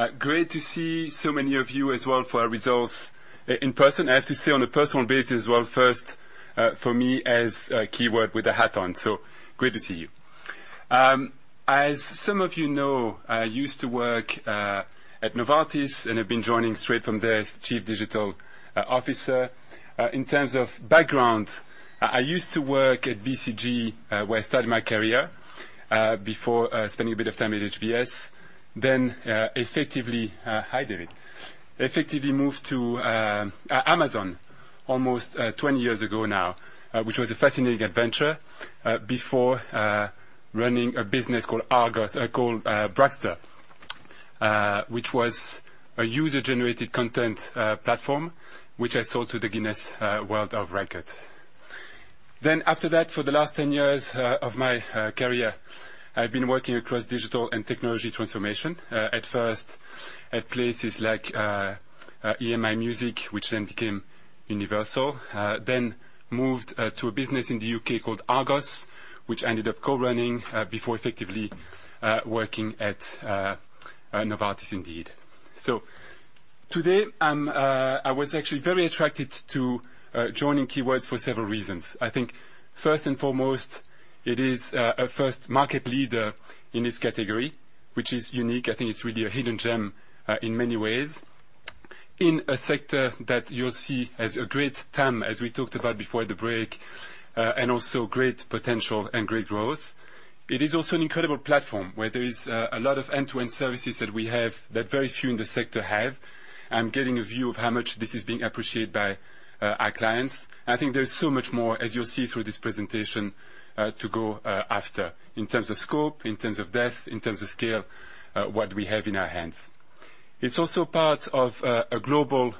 Good morning, everyone. Great to see so many of you as well for our results in person. I have to say on a personal basis, first, for me as Keywords with a hat on. Great to see you. As some of you know, I used to work at Novartis, and I've been joining straight from there as Chief Digital Officer. In terms of background, I used to work at BCG, where I started my career, before spending a bit of time at HBS, then effectively moved to Amazon almost 20 years ago now, which was a fascinating adventure, before running a business called Bragster, which was a user-generated content platform, which I sold to the Guinness World Records. After that, for the last 10 years of my career, I've been working across digital and technology transformation, at first at places like EMI Music, which then became Universal Music, then moved to a business in the U.K. called Sainsbury's Argos, which I ended up co-running, before effectively working at Novartis indeed. Today I was actually very attracted to joining Keywords for several reasons. I think first and foremost, it is a first market leader in this category, which is unique. I think it's really a hidden gem in many ways, in a sector that you'll see has a great TAM, as we talked about before the break, and also great potential and great growth. It is also an incredible platform where there is a lot of end to end services that we have that very few in the sector have. I'm getting a view of how much this is being appreciated by our clients. I think there is so much more, as you'll see through this presentation, to go after in terms of scope, in terms of depth, in terms of scale, what we have in our hands. It's also part of a global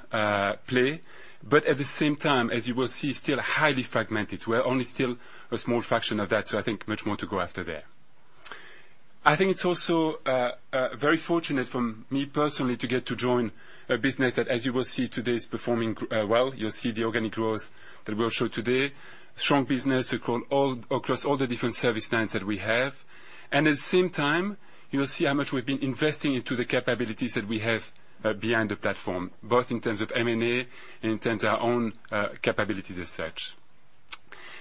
play, but at the same time, as you will see, still highly fragmented. We're only still a small fraction of that, so I think much more to go after there. I think it's also very fortunate for me personally to get to join a business that, as you will see today, is performing well. You'll see the organic growth that we'll show today. Strong business across all the different service lines that we have. At the same time, you'll see how much we've been investing into the capabilities that we have behind the platform, both in terms of M&A and in terms of our own capabilities as such.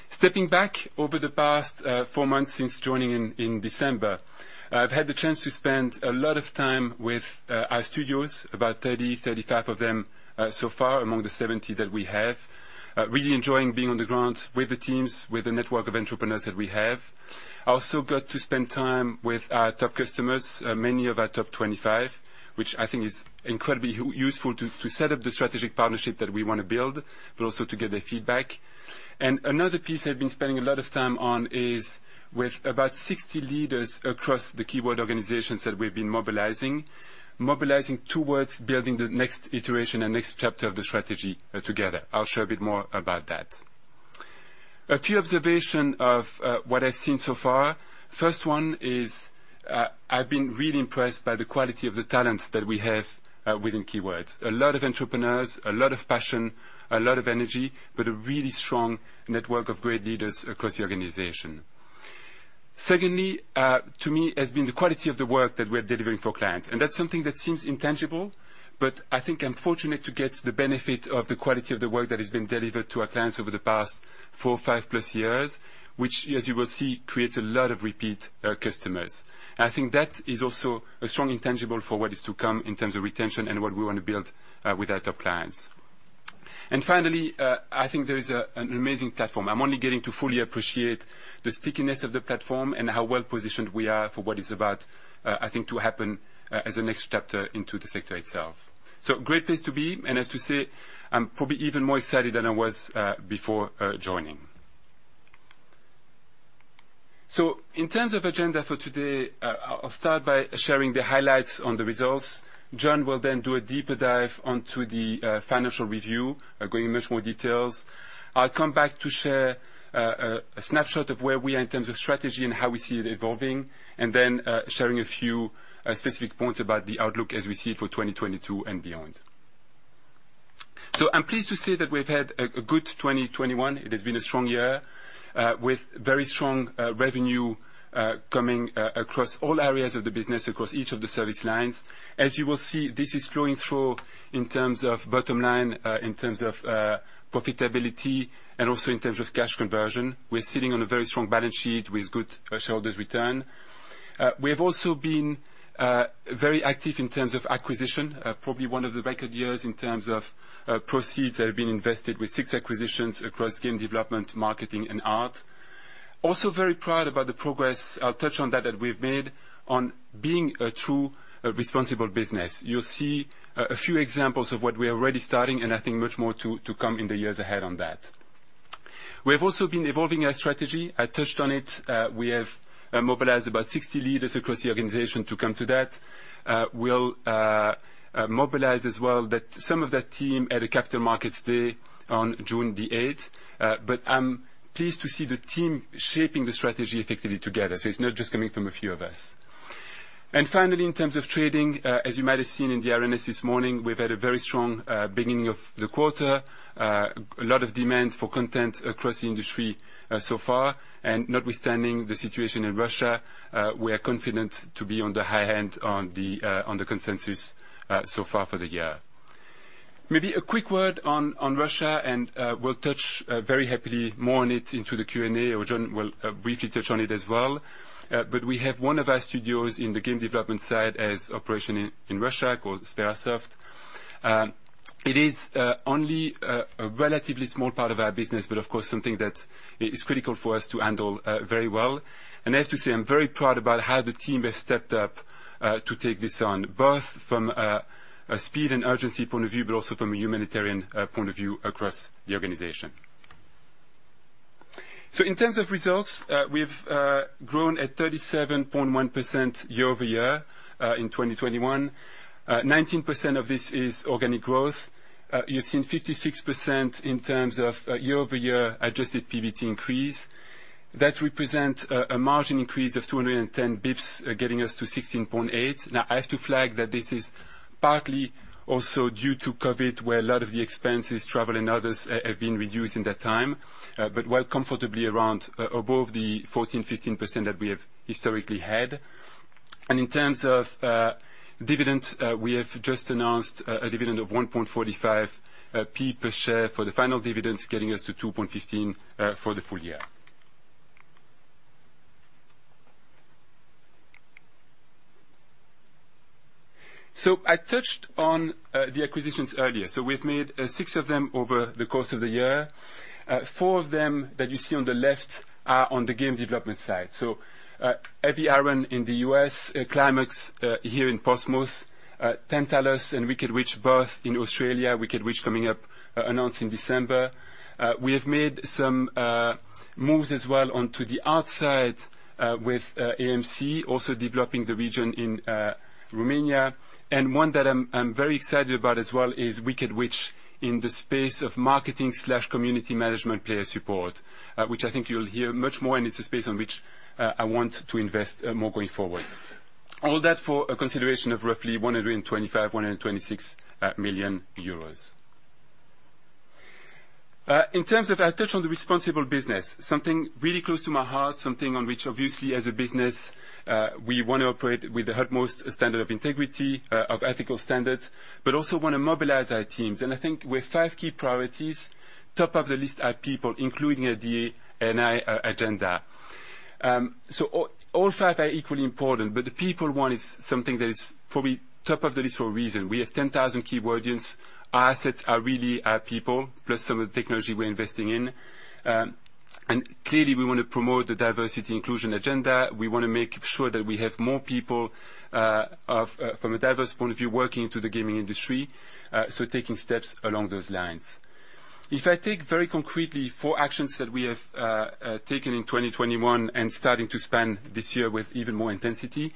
Stepping back over the past four months since joining in December, I've had the chance to spend a lot of time with our studios, about 35 of them so far, among the 70 that we have. Really enjoying being on the ground with the teams, with the network of entrepreneurs that we have. I also got to spend time with our top customers, many of our top 25, which I think is incredibly useful to set up the strategic partnership that we wanna build, but also to get their feedback. Another piece I've been spending a lot of time on is with about 60 leaders across the Keywords organizations that we've been mobilizing towards building the next iteration and next chapter of the strategy, together. I'll share a bit more about that. A few observations of what I've seen so far. First one is, I've been really impressed by the quality of the talents that we have within Keywords. A lot of entrepreneurs, a lot of passion, a lot of energy, but a really strong network of great leaders across the organization. Secondly, to me has been the quality of the work that we're delivering for clients, and that's something that seems intangible, but I think I'm fortunate to get the benefit of the quality of the work that has been delivered to our clients over the past 4 or 5+ years, which, as you will see, creates a lot of repeat customers. I think that is also a strong intangible for what is to come in terms of retention and what we wanna build with our top clients. Finally, I think there is an amazing platform. I'm only getting to fully appreciate the stickiness of the platform and how well-positioned we are for what is about, I think, to happen, as a next chapter into the sector itself. Great place to be, and I have to say, I'm probably even more excited than I was before joining. In terms of agenda for today, I'll start by sharing the highlights on the results. Jon will then do a deeper dive into the financial review, going into much more detail. I'll come back to share a snapshot of where we are in terms of strategy and how we see it evolving, and then sharing a few specific points about the outlook as we see it for 2022 and beyond. I'm pleased to say that we've had a good 2021. It has been a strong year with very strong revenue coming across all areas of the business, across each of the service lines. As you will see, this is flowing through in terms of bottom line, in terms of profitability, and also in terms of cash conversion. We're sitting on a very strong balance sheet with good shareholders' return. We have also been very active in terms of acquisition, probably one of the record years in terms of proceeds that have been invested with six acquisitions across Game Development, Marketing, and Art. Also very proud about the progress, I'll touch on that we've made on being a true responsible business. You'll see a few examples of what we are already starting and I think much more to come in the years ahead on that. We have also been evolving our strategy. I touched on it. We have mobilized about 60 leaders across the organization to come to that. We'll also mobilize some of that team at a Capital Markets Day on June 8th. I'm pleased to see the team shaping the strategy effectively together. It's not just coming from a few of us. Finally, in terms of trading, as you might have seen in the RNS this morning, we've had a very strong beginning of the quarter. A lot of demand for content across the industry so far, and notwithstanding the situation in Russia, we are confident to be on the high end of the consensus so far for the year. Maybe a quick word on Russia and we'll touch very happily more on it in the Q&A, or Jon will briefly touch on it as well. We have one of our studios in the Game Development side as an operation in Russia called Sperasoft. It is only a relatively small part of our business, but of course something that is critical for us to handle very well. I have to say, I'm very proud about how the team has stepped up to take this on, both from a speed and urgency point of view, but also from a humanitarian point of view across the organization. In terms of results, we've grown at 37.1% year-over-year in 2021. 19% of this is organic growth. You've seen 56% in terms of year-over-year adjusted PBT increase. That represents a margin increase of 210 basis points, getting us to 16.8%. Now, I have to flag that this is partly also due to COVID, where a lot of the expenses, travel and others, have been reduced in that time. But well comfortably above the 14%-15% that we have historically had. In terms of dividends, we have just announced a dividend of 1.45p per share for the final dividends, getting us to 2.15p for the full year. I touched on the acquisitions earlier. We've made six of them over the course of the year. Four of them that you see on the left are on the Game Development side. Heavy Iron in the U.S., Climax Studios here in Portsmouth, Tantalus Media, and Wicked Witch, both in Australia. Wicked Witch coming up announced in December. We have made some moves as well onto the outside with AMC also developing the region in Romania. One that I'm very excited about as well is Wicked Witch in the space of marketing/community management Player Support, which I think you'll hear much more, and it's a space on which I want to invest more going forward. All that for a consideration of roughly 125 million-126 million euros. In terms of responsible business, something really close to my heart, something on which obviously as a business we wanna operate with the utmost standard of integrity of ethical standards, but also wanna mobilize our teams. I think with five key priorities, top of the list are people, including a DE&I agenda. All five are equally important, but the people one is something that is probably top of the list for a reason. We have 10,000 Keywordians. Our assets are really our people, plus some of the technology we're investing in. Clearly, we wanna promote the diversity inclusion agenda. We wanna make sure that we have more people from a diverse point of view, working in the gaming industry, so taking steps along those lines. If I take very concretely four actions that we have taken in 2021 and starting to expand this year with even more intensity,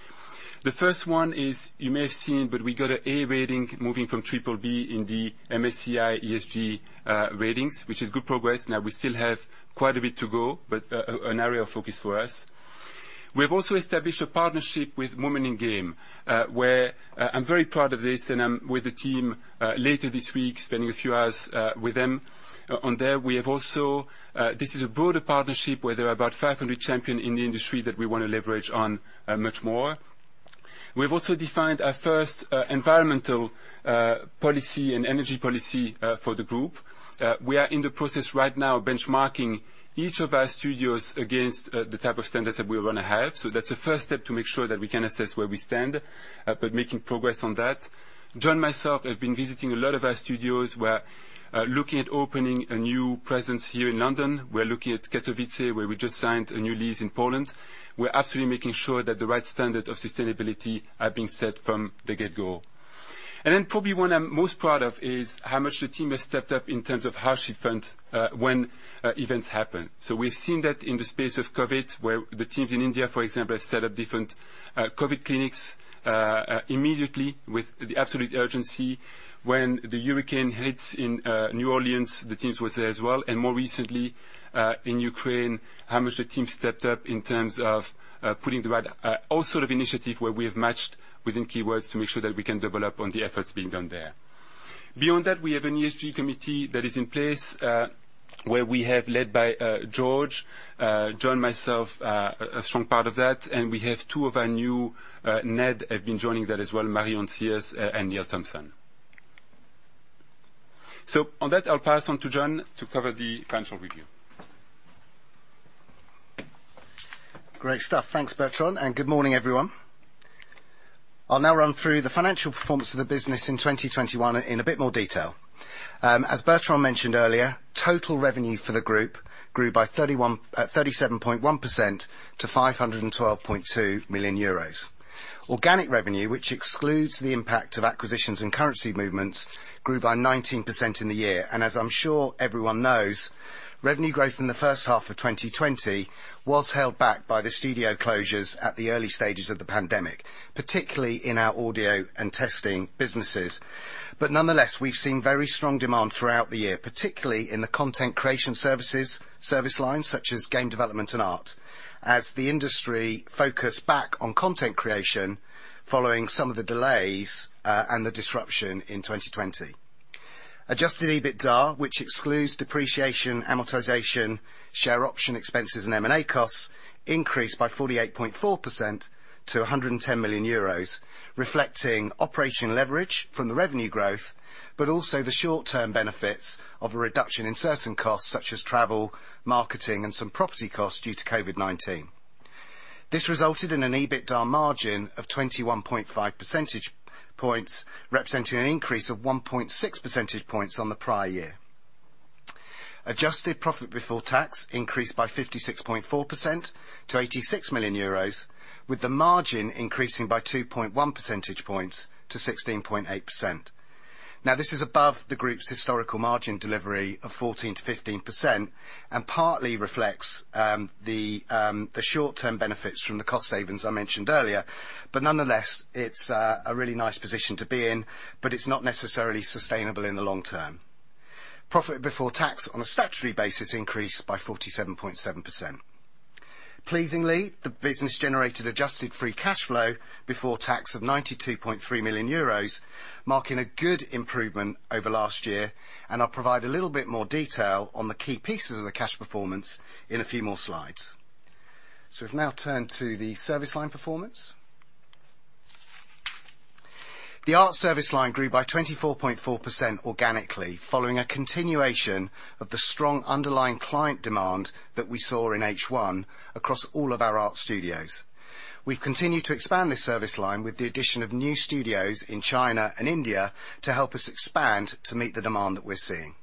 the first one is, you may have seen, but we got an A rating moving from BBB in the MSCI ESG ratings, which is good progress. Now, we still have quite a bit to go, but an area of focus for us. We've also established a partnership with Women in Games, where I'm very proud of this, and I'm with the team later this week, spending a few hours with them on there. This is a broader partnership where there are about 500 champions in the industry that we wanna leverage on much more. We've also defined our first environmental policy and energy policy for the group. We are in the process right now benchmarking each of our studios against the type of standards that we wanna have. So that's the first step to make sure that we can assess where we stand, but making progress on that. Jon, myself have been visiting a lot of our studios. We're looking at opening a new presence here in London. We're looking at Katowice, where we just signed a new lease in Poland. We're absolutely making sure that the right standard of sustainability are being set from the get-go. Then probably what I'm most proud of is how much the team has stepped up in terms of hardship funds, when events happen. We've seen that in the space of COVID, where the teams in India, for example, have set up different COVID clinics immediately with the absolute urgency. When the hurricane hits in New Orleans, the teams were there as well. More recently, in Ukraine, how much the team stepped up in terms of putting the right all sort of initiative where we have matched within Keywords to make sure that we can double up on the efforts being done there. Beyond that, we have an ESG committee that is in place, where we have led by Georges Fornay, Jon Hauck, myself, a strong part of that, and we have two of our new NED have been joining that as well, Marion Sears and Neil Thompson. On that, I'll pass on to Jon to cover the financial review. Great stuff. Thanks, Bertrand, and good morning, everyone. I'll now run through the financial performance of the business in 2021 in a bit more detail. As Bertrand mentioned earlier, total revenue for the group grew by 37.1% to 512.2 million euros. Organic revenue, which excludes the impact of acquisitions and currency movements, grew by 19% in the year. As I'm sure everyone knows, revenue growth in the first half of 2020 was held back by the studio closures at the early stages of the pandemic, particularly in our Audio and Testing businesses. Nonetheless, we've seen very strong demand throughout the year, particularly in the content creation services, service lines such as Game Development and Art, as the industry focus back on content creation following some of the delays, and the disruption in 2020. Adjusted EBITDA, which excludes depreciation, amortization, share option expenses, and M&A costs, increased by 48.4% to 110 million euros, reflecting operating leverage from the revenue growth, but also the short-term benefits of a reduction in certain costs such as travel, marketing, and some property costs due to COVID-19. This resulted in an EBITDA margin of 21.5 percentage points, representing an increase of 1.6 percentage points on the prior year. Adjusted profit before tax increased by 56.4% to EUR 86 million, with the margin increasing by 2.1 percentage points to 16.8%. Now this is above the group's historical margin delivery of 14%-15% and partly reflects the short-term benefits from the cost savings I mentioned earlier. Nonetheless, it's a really nice position to be in, but it's not necessarily sustainable in the long term. Profit before tax on a statutory basis increased by 47.7%. Pleasingly, the business generated Adjusted Free Cash Flow before tax of 92.3 million euros, marking a good improvement over last year, and I'll provide a little bit more detail on the key pieces of the cash performance in a few more slides. We've now turned to the service line performance. The Art service line grew by 24.4% organically, following a continuation of the strong underlying client demand that we saw in H1 across all of our Art studios. We've continued to expand this service line with the addition of new studios in China and India to help us expand to meet the demand that we're seeing.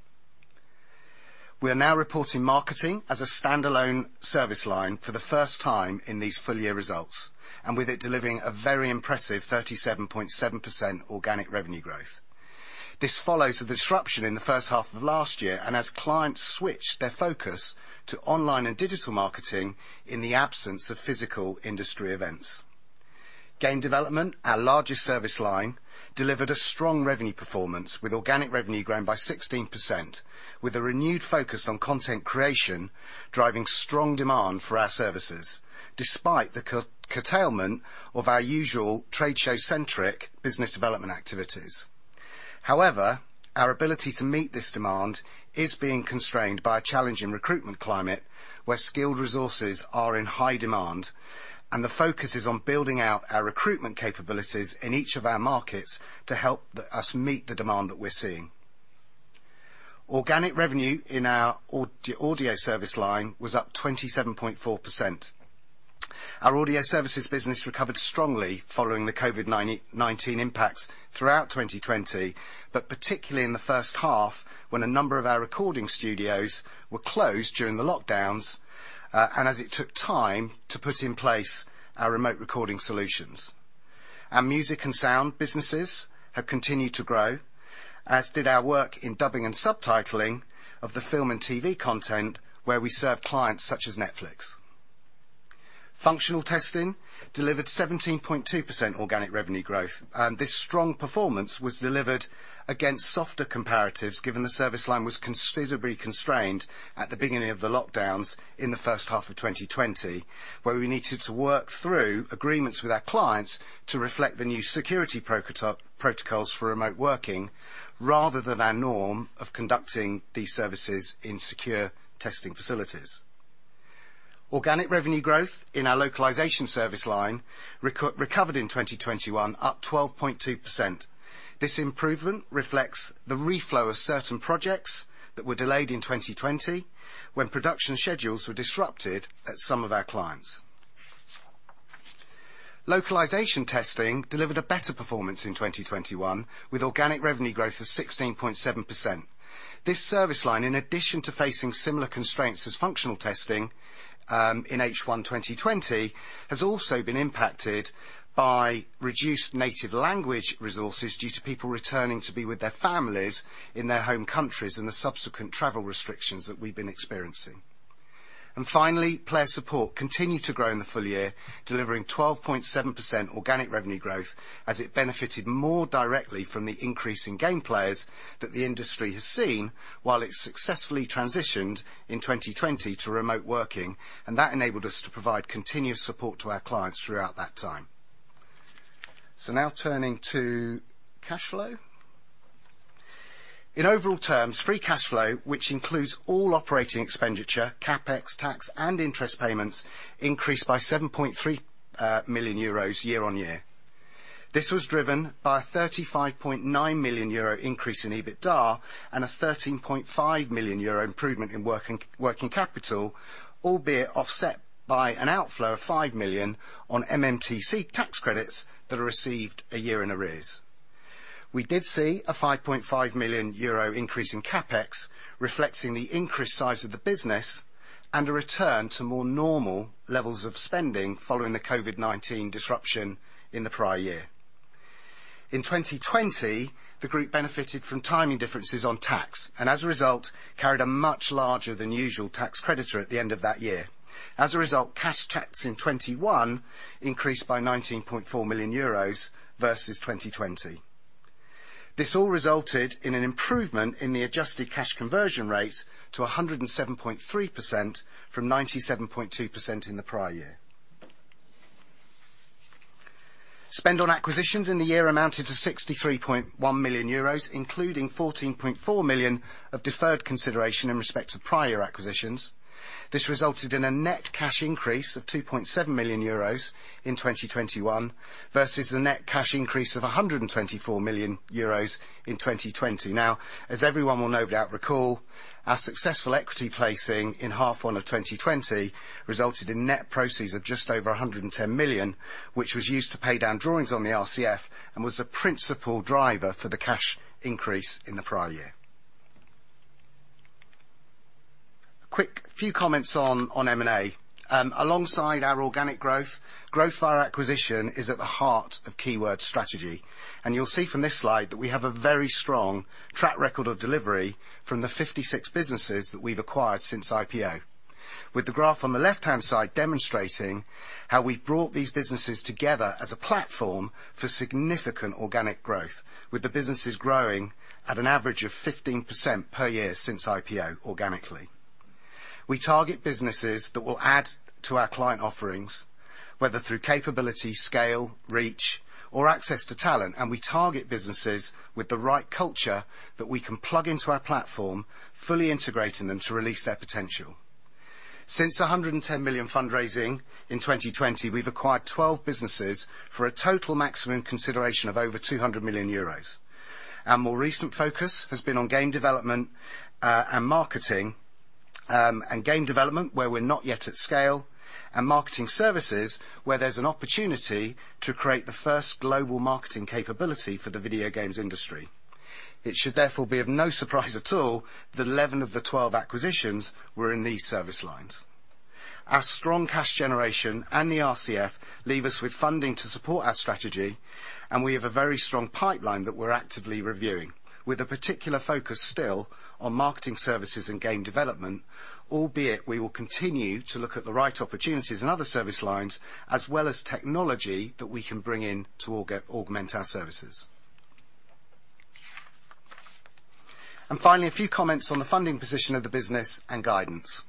We are now reporting Marketing as a standalone service line for the first time in these full year results, and with it delivering a very impressive 37.7% organic revenue growth. This follows the disruption in the first half of last year and as clients switched their focus to online and digital marketing in the absence of physical industry events. Game Development, our largest service line, delivered a strong revenue performance with organic revenue growing by 16% with a renewed focus on content creation, driving strong demand for our services despite the COVID curtailment of our usual trade show-centric business development activities. However, our ability to meet this demand is being constrained by a challenging recruitment climate, where skilled resources are in high demand, and the focus is on building out our recruitment capabilities in each of our markets to help us meet the demand that we're seeing. Organic revenue in our Audio service line was up 27.4%. Our Audio services business recovered strongly following the COVID-19 impacts throughout 2020, but particularly in the first half when a number of our recording studios were closed during the lockdowns, and as it took time to put in place our remote recording solutions. Our music and sound businesses have continued to grow, as did our work in dubbing and subtitling of the film and TV content where we serve clients such as Netflix. Functional Testing delivered 17.2% organic revenue growth, and this strong performance was delivered against softer comparatives given the service line was considerably constrained at the beginning of the lockdowns in the first half of 2020, where we needed to work through agreements with our clients to reflect the new security protocols for remote working, rather than our norm of conducting these services in secure testing facilities. Organic revenue growth in our Localization service line recovered in 2021, up 12.2%. This improvement reflects the reflow of certain projects that were delayed in 2020 when production schedules were disrupted at some of our clients. Localization Testing delivered a better performance in 2021 with organic revenue growth of 16.7%. This service line, in addition to facing similar constraints as Functional Testing, in H1 2020, has also been impacted by reduced native language resources due to people returning to be with their families in their home countries and the subsequent travel restrictions that we've been experiencing. Finally, Player Support continued to grow in the full year, delivering 12.7% organic revenue growth as it benefited more directly from the increase in game players that the industry has seen while it successfully transitioned in 2020 to remote working, and that enabled us to provide continuous support to our clients throughout that time. Now turning to cash flow. In overall terms, free cash flow, which includes all operating expenditure, CapEx, tax, and interest payments, increased by 7.3 million euros year-on-year. This was driven by a 35.9 million euro increase in EBITDA and a 13.5 million euro improvement in working capital, albeit offset by an outflow of 5 million on MMTC tax credits that are received a year in arrears. We did see a 5.5 million euro increase in CapEx, reflecting the increased size of the business and a return to more normal levels of spending following the COVID-19 disruption in the prior year. In 2020, the group benefited from timing differences on tax and as a result, carried a much larger than usual tax creditor at the end of that year. As a result, cash tax in 2021 increased by 19.4 million euros versus 2020. This all resulted in an improvement in the adjusted cash conversion rate to 107.3% from 97.2% in the prior year. Spend on acquisitions in the year amounted to 63.1 million euros, including 14.4 million of deferred consideration in respect to prior acquisitions. This resulted in a net cash increase of 2.7 million euros in 2021, versus the net cash increase of 124 million euros in 2020. Now, as everyone will no doubt recall, our successful equity placing in H1 2020 resulted in net proceeds of just over 110 million, which was used to pay down drawings on the RCF and was the principal driver for the cash increase in the prior year. A quick few comments on M&A. Alongside our organic growth via acquisition is at the heart of Keywords' strategy. You'll see from this slide that we have a very strong track record of delivery from the 56 businesses that we've acquired since IPO. With the graph on the left-hand side demonstrating how we've brought these businesses together as a platform for significant organic growth, with the businesses growing at an average of 15% per year since IPO organically. We target businesses that will add to our client offerings, whether through capability, scale, reach, or access to talent, and we target businesses with the right culture that we can plug into our platform, fully integrating them to release their potential. Since the 110 million fundraising in 2020, we've acquired 12 businesses for a total maximum consideration of over 200 million euros. Our more recent focus has been on Game Development, and Marketing, and Game Development, where we're not yet at scale, and Marketing Services, where there's an opportunity to create the first global marketing capability for the video games industry. It should therefore be of no surprise at all that 11 of the 12 acquisitions were in these service lines. Our strong cash generation and the RCF leave us with funding to support our strategy, and we have a very strong pipeline that we're actively reviewing, with a particular focus still on Marketing Services and Game Development, albeit we will continue to look at the right opportunities in other service lines, as well as technology that we can bring in to augment our services. Finally, a few comments on the funding position of the business and guidance.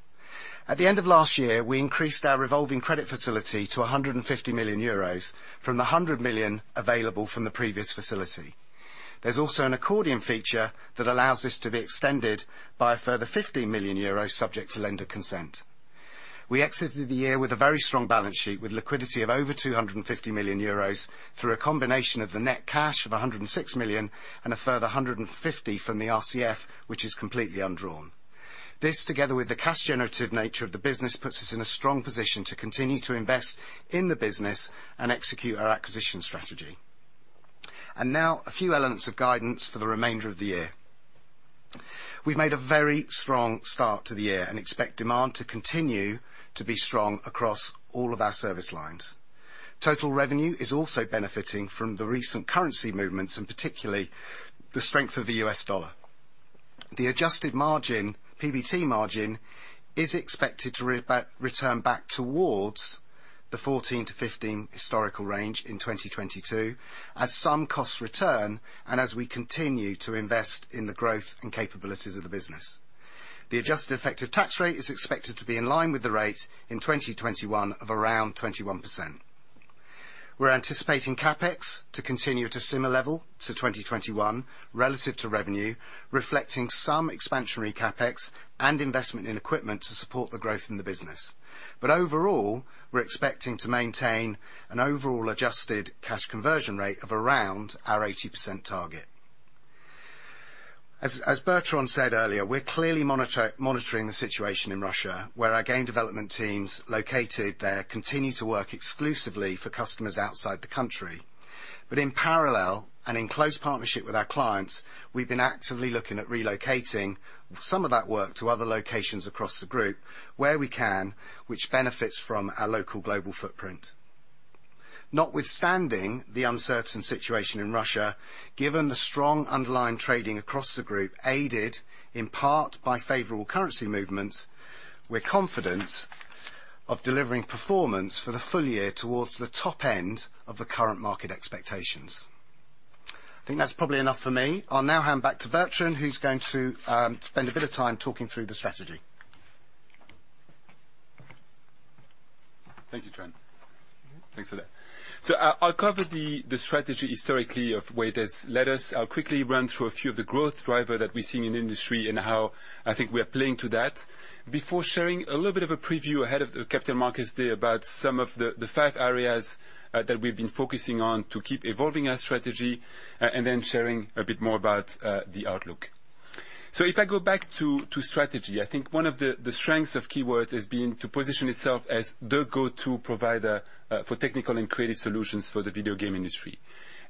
At the end of last year, we increased our revolving credit facility to 150 million euros from the 100 million available from the previous facility. There's also an accordion feature that allows this to be extended by a further 50 million euros subject to lender consent. We exited the year with a very strong balance sheet with liquidity of over 250 million euros through a combination of the net cash of 106 million and a further 150 million from the RCF, which is completely undrawn. This, together with the cash generative nature of the business, puts us in a strong position to continue to invest in the business and execute our acquisition strategy. Now a few elements of guidance for the remainder of the year. We've made a very strong start to the year and expect demand to continue to be strong across all of our service lines. Total revenue is also benefiting from the recent currency movements, and particularly the strength of the U.S. dollar. The adjusted margin, PBT margin, is expected to return back towards the 14-15 historical range in 2022 as some costs return and as we continue to invest in the growth and capabilities of the business. The adjusted effective tax rate is expected to be in line with the rate in 2021 of around 21%. We're anticipating CapEx to continue at a similar level to 2021 relative to revenue, reflecting some expansionary CapEx and investment in equipment to support the growth in the business. Overall, we're expecting to maintain an overall adjusted cash conversion rate of around our 80% target. As Bertrand said earlier, we're clearly monitoring the situation in Russia, where our Game Development teams located there continue to work exclusively for customers outside the country. In parallel and in close partnership with our clients, we've been actively looking at relocating some of that work to other locations across the group where we can, which benefits from our local global footprint. Notwithstanding the uncertain situation in Russia, given the strong underlying trading across the group, aided in part by favorable currency movements, we're confident of delivering performance for the full year towards the top end of the current market expectations. I think that's probably enough for me. I'll now hand back to Bertrand, who's going to spend a bit of time talking through the strategy. Thank you, Jon. Mm-hmm. Thanks for that. I'll cover the strategy historically of where it has led us. I'll quickly run through a few of the growth driver that we're seeing in industry and how I think we are playing to that, before sharing a little bit of a preview ahead of the Capital Markets Day about some of the five areas that we've been focusing on to keep evolving our strategy, and then sharing a bit more about the outlook. If I go back to strategy, I think one of the strengths of Keywords has been to position itself as the go-to provider for technical and creative solutions for the video game industry.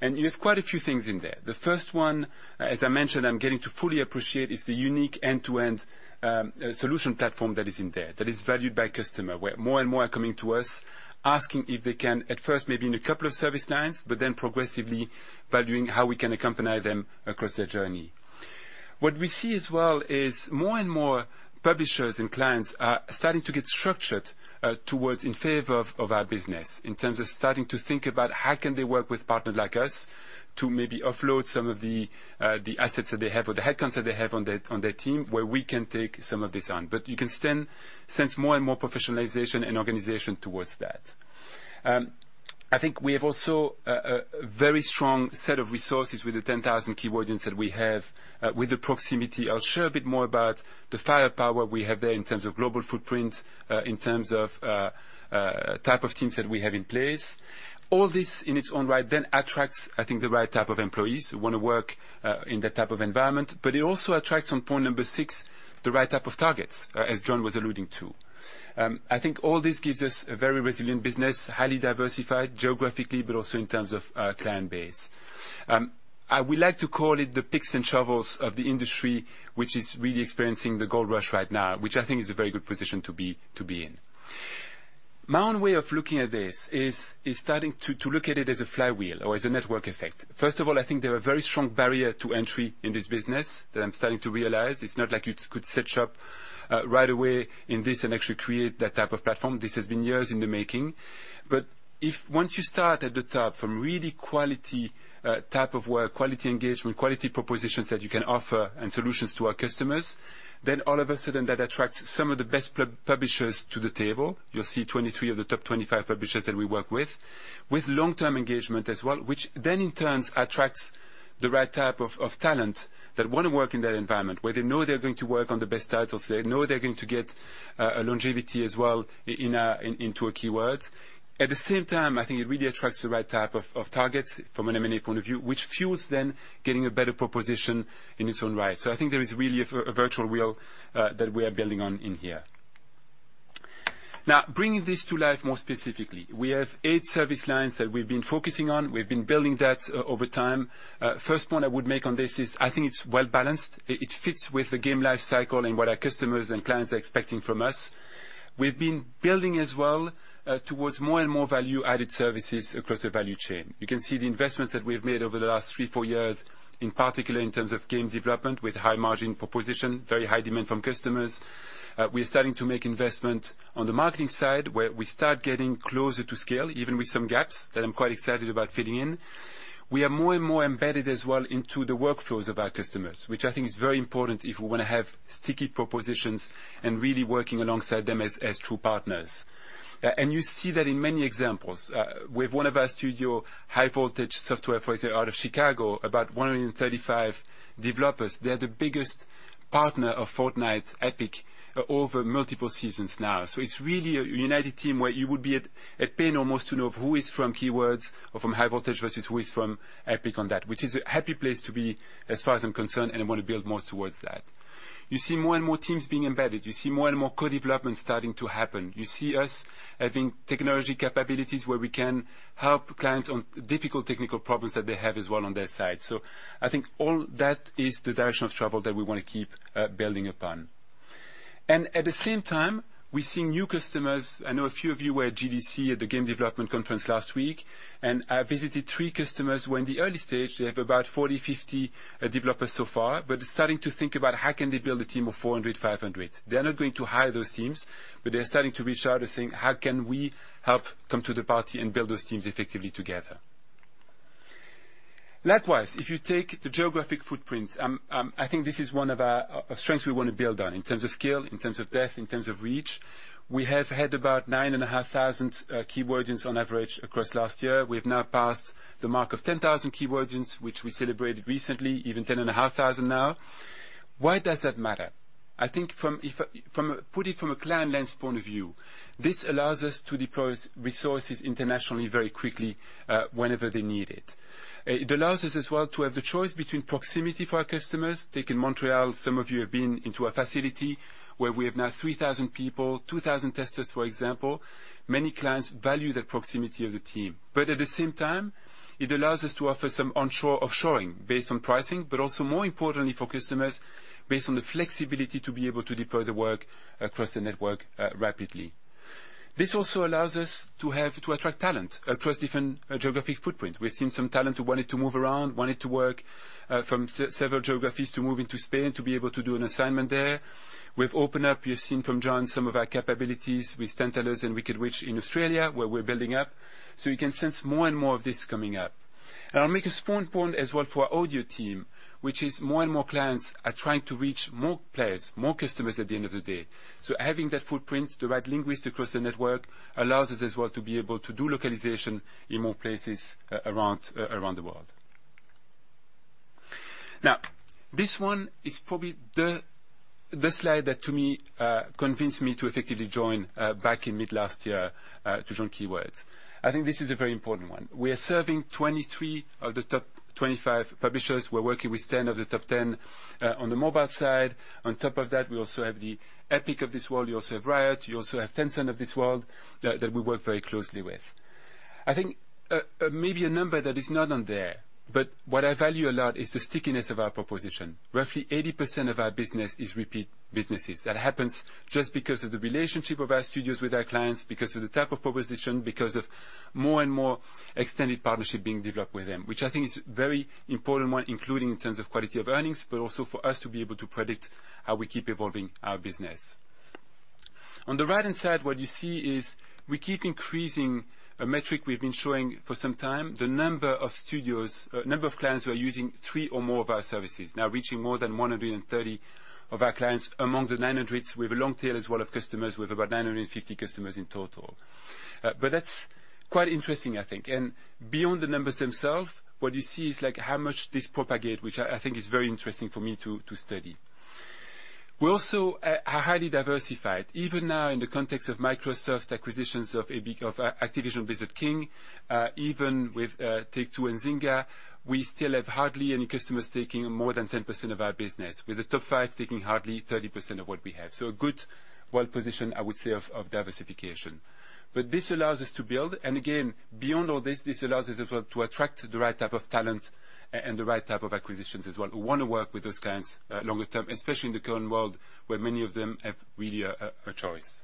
You have quite a few things in there. The first one, as I mentioned, I'm getting to fully appreciate, is the unique end to end solution platform that is in there, that is valued by customer, where more and more are coming to us asking if they can at first maybe in a couple of service lines, but then progressively valuing how we can accompany them across their journey. What we see as well is more and more publishers and clients are starting to get structured towards in favor of our business, in terms of starting to think about how can they work with partners like us to maybe offload some of the the assets that they have or the headcounts that they have on their team, where we can take some of this on. You can sense more and more professionalization and organization towards that. I think we have also a very strong set of resources with the 10,000 Keywordians that we have, with the proximity. I'll share a bit more about the firepower we have there in terms of global footprint, in terms of type of teams that we have in place. All this in its own right attracts, I think, the right type of employees who wanna work in that type of environment. It also attracts on point number six, the right type of targets, as Jon was alluding to. I think all this gives us a very resilient business, highly diversified geographically, but also in terms of client base. I would like to call it the picks and shovels of the industry, which is really experiencing the gold rush right now, which I think is a very good position to be in. My own way of looking at this is starting to look at it as a flywheel or as a network effect. First of all, I think there are very strong barrier to entry in this business that I'm starting to realize. It's not like you could set up right away in this and actually create that type of platform. This has been years in the making. If once you start at the top from really quality type of work, quality engagement, quality propositions that you can offer and solutions to our customers, then all of a sudden that attracts some of the best publishers to the table. You'll see 23 of the top 25 publishers that we work with long-term engagement as well, which then in turn attracts the right type of talent that wanna work in that environment, where they know they're going to work on the best titles, they know they're going to get a longevity as well in into a Keywords. At the same time, I think it really attracts the right type of targets from an M&A point of view, which fuels then getting a better proposition in its own right. I think there is really a virtual wheel that we are building on in here. Now, bringing this to life more specifically. We have eight service lines that we've been focusing on. We've been building that over time. First point I would make on this is I think it's well-balanced. It fits with the game life cycle and what our customers and clients are expecting from us. We've been building as well towards more and more value-added services across the value chain. You can see the investments that we have made over the last three, four years, in particular, in terms of Game Development with high margin proposition, very high demand from customers. We are starting to make investment on the Marketing side, where we start getting closer to scale, even with some gaps that I'm quite excited about filling in. We are more and more embedded as well into the workflows of our customers, which I think is very important if we wanna have sticky propositions and really working alongside them as true partners. You see that in many examples. With one of our studio, High Voltage Software, for instance, out of Chicago, about 135 developers. They are the biggest partner of Fortnite Epic Games over multiple seasons now. It's really a united team where you would be at pains almost to know who is from Keywords or from High Voltage versus who is from Epic Games on that, which is a happy place to be as far as I'm concerned, and I want to build more towards that. You see more and more teams being embedded. You see more and more co-development starting to happen. You see us having technology capabilities where we can help clients on difficult technical problems that they have as well on their side. I think all that is the direction of travel that we wanna keep building upon. At the same time, we're seeing new customers. I know a few of you were at GDC, at the Game Development Conference last week, and I visited three customers who are in the early stage. They have about 40-50 developers so far, but they're starting to think about how can they build a team of 400-500. They are not going to hire those teams, but they're starting to reach out and saying, "How can we help come to the party and build those teams effectively together?" Likewise, if you take the geographic footprint, I think this is one of our strengths we want to build on in terms of scale, in terms of depth, in terms of reach. We have had about 9,500 Keywordians on average across last year. We've now passed the mark of 10,000 Keywordians, which we celebrated recently, even 10,500 now. Why does that matter? I think from a client lens point of view, this allows us to deploy resources internationally very quickly, whenever they need it. It allows us as well to have the choice between proximity for our customers. Take in Montreal, some of you have been into our facility where we have now 3,000 people, 2,000 testers, for example. Many clients value the proximity of the team. At the same time, it allows us to offer some onshoring, offshoring based on pricing, but also more importantly for customers based on the flexibility to be able to deploy the work across the network, rapidly. This also allows us to attract talent across different geographic footprint. We've seen some talent who wanted to move around, wanted to work from several geographies to move into Spain to be able to do an assignment there. We've opened up, you've seen from Jon, some of our capabilities with Tantalus and Wicked Witch in Australia, where we're building up. You can sense more and more of this coming up. I'll make a small point as well for our Audio team, which is more and more clients are trying to reach more players, more customers at the end of the day. Having that footprint, the right linguist across the network, allows us as well to be able to do Localization in more places around the world. Now, this one is probably the slide that to me convinced me to effectively join back in mid last year to join Keywords. I think this is a very important one. We are serving 23 of the top 25 publishers. We're working with 10 of the top 10 on the mobile side. On top of that, we also have the Epic Games of this world. You also have Riot Games. You also have Tencent of this world that we work very closely with. I think maybe a number that is not on there, but what I value a lot is the stickiness of our proposition. Roughly 80% of our business is repeat businesses. That happens just because of the relationship of our studios with our clients, because of the type of proposition, because of more and more extended partnership being developed with them. Which I think is very important one, including in terms of quality of earnings, but also for us to be able to predict how we keep evolving our business. On the right-hand side, what you see is we keep increasing a metric we've been showing for some time. The number of studios, number of clients who are using three or more of our services, now reaching more than 130 of our clients. Among the nine hundreds, we have a long tail as well of customers with about 950 customers in total. But that's quite interesting, I think. Beyond the numbers themselves, what you see is like how much this propagate, which I think is very interesting for me to study. We also are highly diversified. Even now in the context of Microsoft acquisitions of Bethesda Softworks, of Activision Blizzard King, even with Take-Two and Zynga, we still have hardly any customers taking more than 10% of our business, with the top five taking hardly 30% of what we have. A good, well-positioned diversification, I would say. This allows us to build, and again, beyond all this allows us as well to attract the right type of talent and the right type of acquisitions as well, who wanna work with those clients longer-term, especially in the current world, where many of them have really a choice.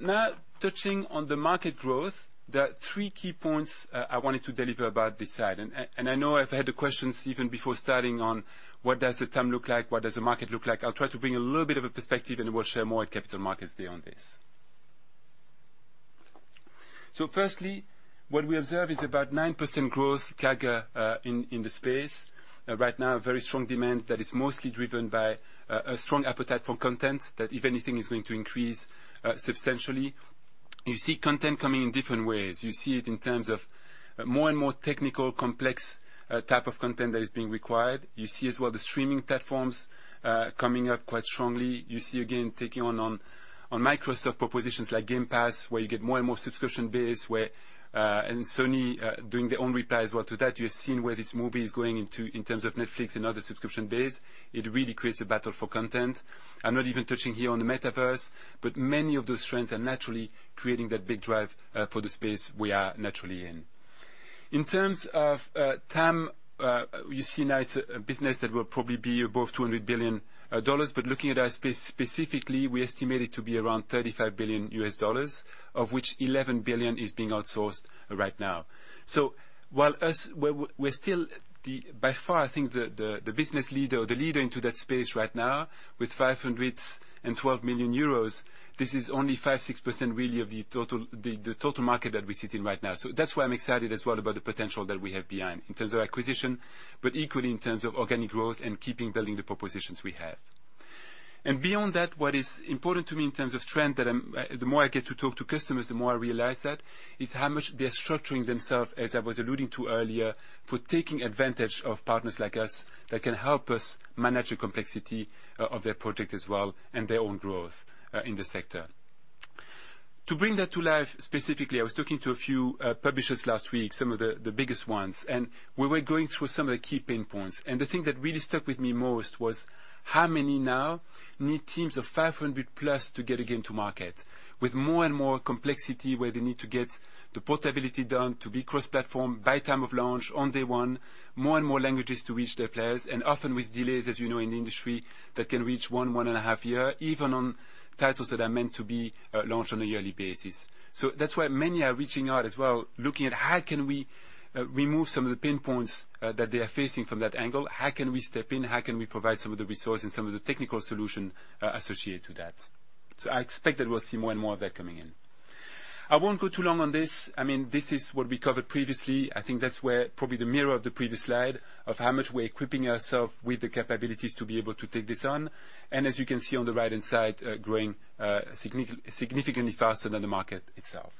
Now touching on the market growth, there are three key points I wanted to deliver about this side. I know I've had the questions even before starting on what does the TAM look like, what does the market look like? I'll try to bring a little bit of a perspective, and we'll share more at Capital Markets Day on this. First, what we observe is about 9% growth CAGR in the space. Right now, very strong demand that is mostly driven by a strong appetite for content that if anything is going to increase substantially. You see content coming in different ways. You see it in terms of more and more technical, complex type of content that is being required. You see as well the streaming platforms coming up quite strongly. You see, again, taking on Microsoft propositions like Game Pass, where you get more and more subscription base, where and Sony doing their own reply as well to that. You've seen where this movie is going into in terms of Netflix and other subscription base. It really creates a battle for content. I'm not even touching here on the Metaverse, but many of those trends are naturally creating that big drive for the space we are naturally in. In terms of TAM, you see now it's a business that will probably be above $200 billion. Looking at our space specifically, we estimate it to be around $35 billion, of which $11 billion is being outsourced right now. We're still the by far, I think the business leader or the leader in that space right now with 512 million euros, this is only 5%-6% really of the total market that we sit in right now. That's why I'm excited as well about the potential that we have behind in terms of acquisition, but equally in terms of organic growth and keeping building the propositions we have. Beyond that, what is important to me in terms of trend. The more I get to talk to customers, the more I realize that is how much they're structuring themselves, as I was alluding to earlier, for taking advantage of partners like us that can help us manage the complexity of their project as well and their own growth in the sector. To bring that to life, specifically, I was talking to a few publishers last week, some of the biggest ones, and we were going through some of the key pain points. The thing that really stuck with me most was how many now need teams of 500+ to get a game to market. With more and more complexity where they need to get the portability done to be cross-platform by time of launch on day one, more and more languages to reach their players, and often with delays, as you know, in the industry that can reach 1.5 years, even on titles that are meant to be launched on a yearly basis. That's why many are reaching out as well, looking at how can we remove some of the pain points that they are facing from that angle? How can we step in? How can we provide some of the resource and some of the technical solution associated to that? I expect that we'll see more and more of that coming in. I won't go too long on this. I mean, this is what we covered previously. I think that's where probably the mirror of the previous slide of how much we're equipping ourself with the capabilities to be able to take this on. As you can see on the right-hand side, growing significantly faster than the market itself.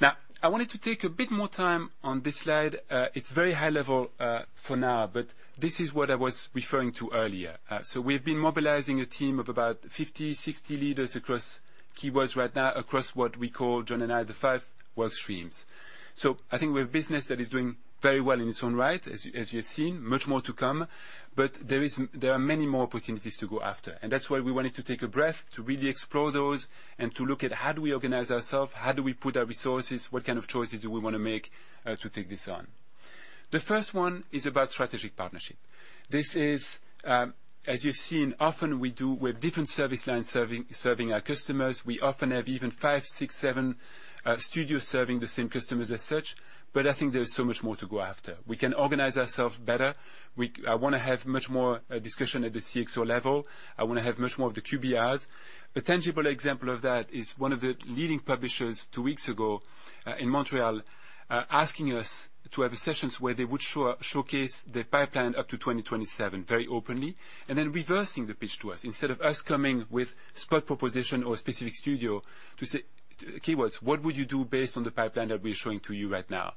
Now, I wanted to take a bit more time on this slide. It's very high level, for now, but this is what I was referring to earlier. We've been mobilizing a team of about 50, 60 leaders across Keywords right now, across what we call, Jon and I, the five work streams. I think we have business that is doing very well in its own right, as you have seen, much more to come. There are many more opportunities to go after. That's why we wanted to take a breath to really explore those and to look at how do we organize ourselves, how do we put our resources, what kind of choices do we wanna make, to take this on? The first one is about strategic partnership. This is, as you've seen, often we do with different service lines serving our customers. We often have even five, six, seven studios serving the same customers as such, but I think there is so much more to go after. We can organize ourselves better. I wanna have much more discussion at the CXO level. I wanna have much more of the QBRs. A tangible example of that is one of the leading publishers two weeks ago in Montreal asking us to have sessions where they would showcase their pipeline up to 2027 very openly, and then reversing the pitch to us. Instead of us coming with spot proposition or a specific studio to say, "Keywords, what would you do based on the pipeline that we're showing to you right now?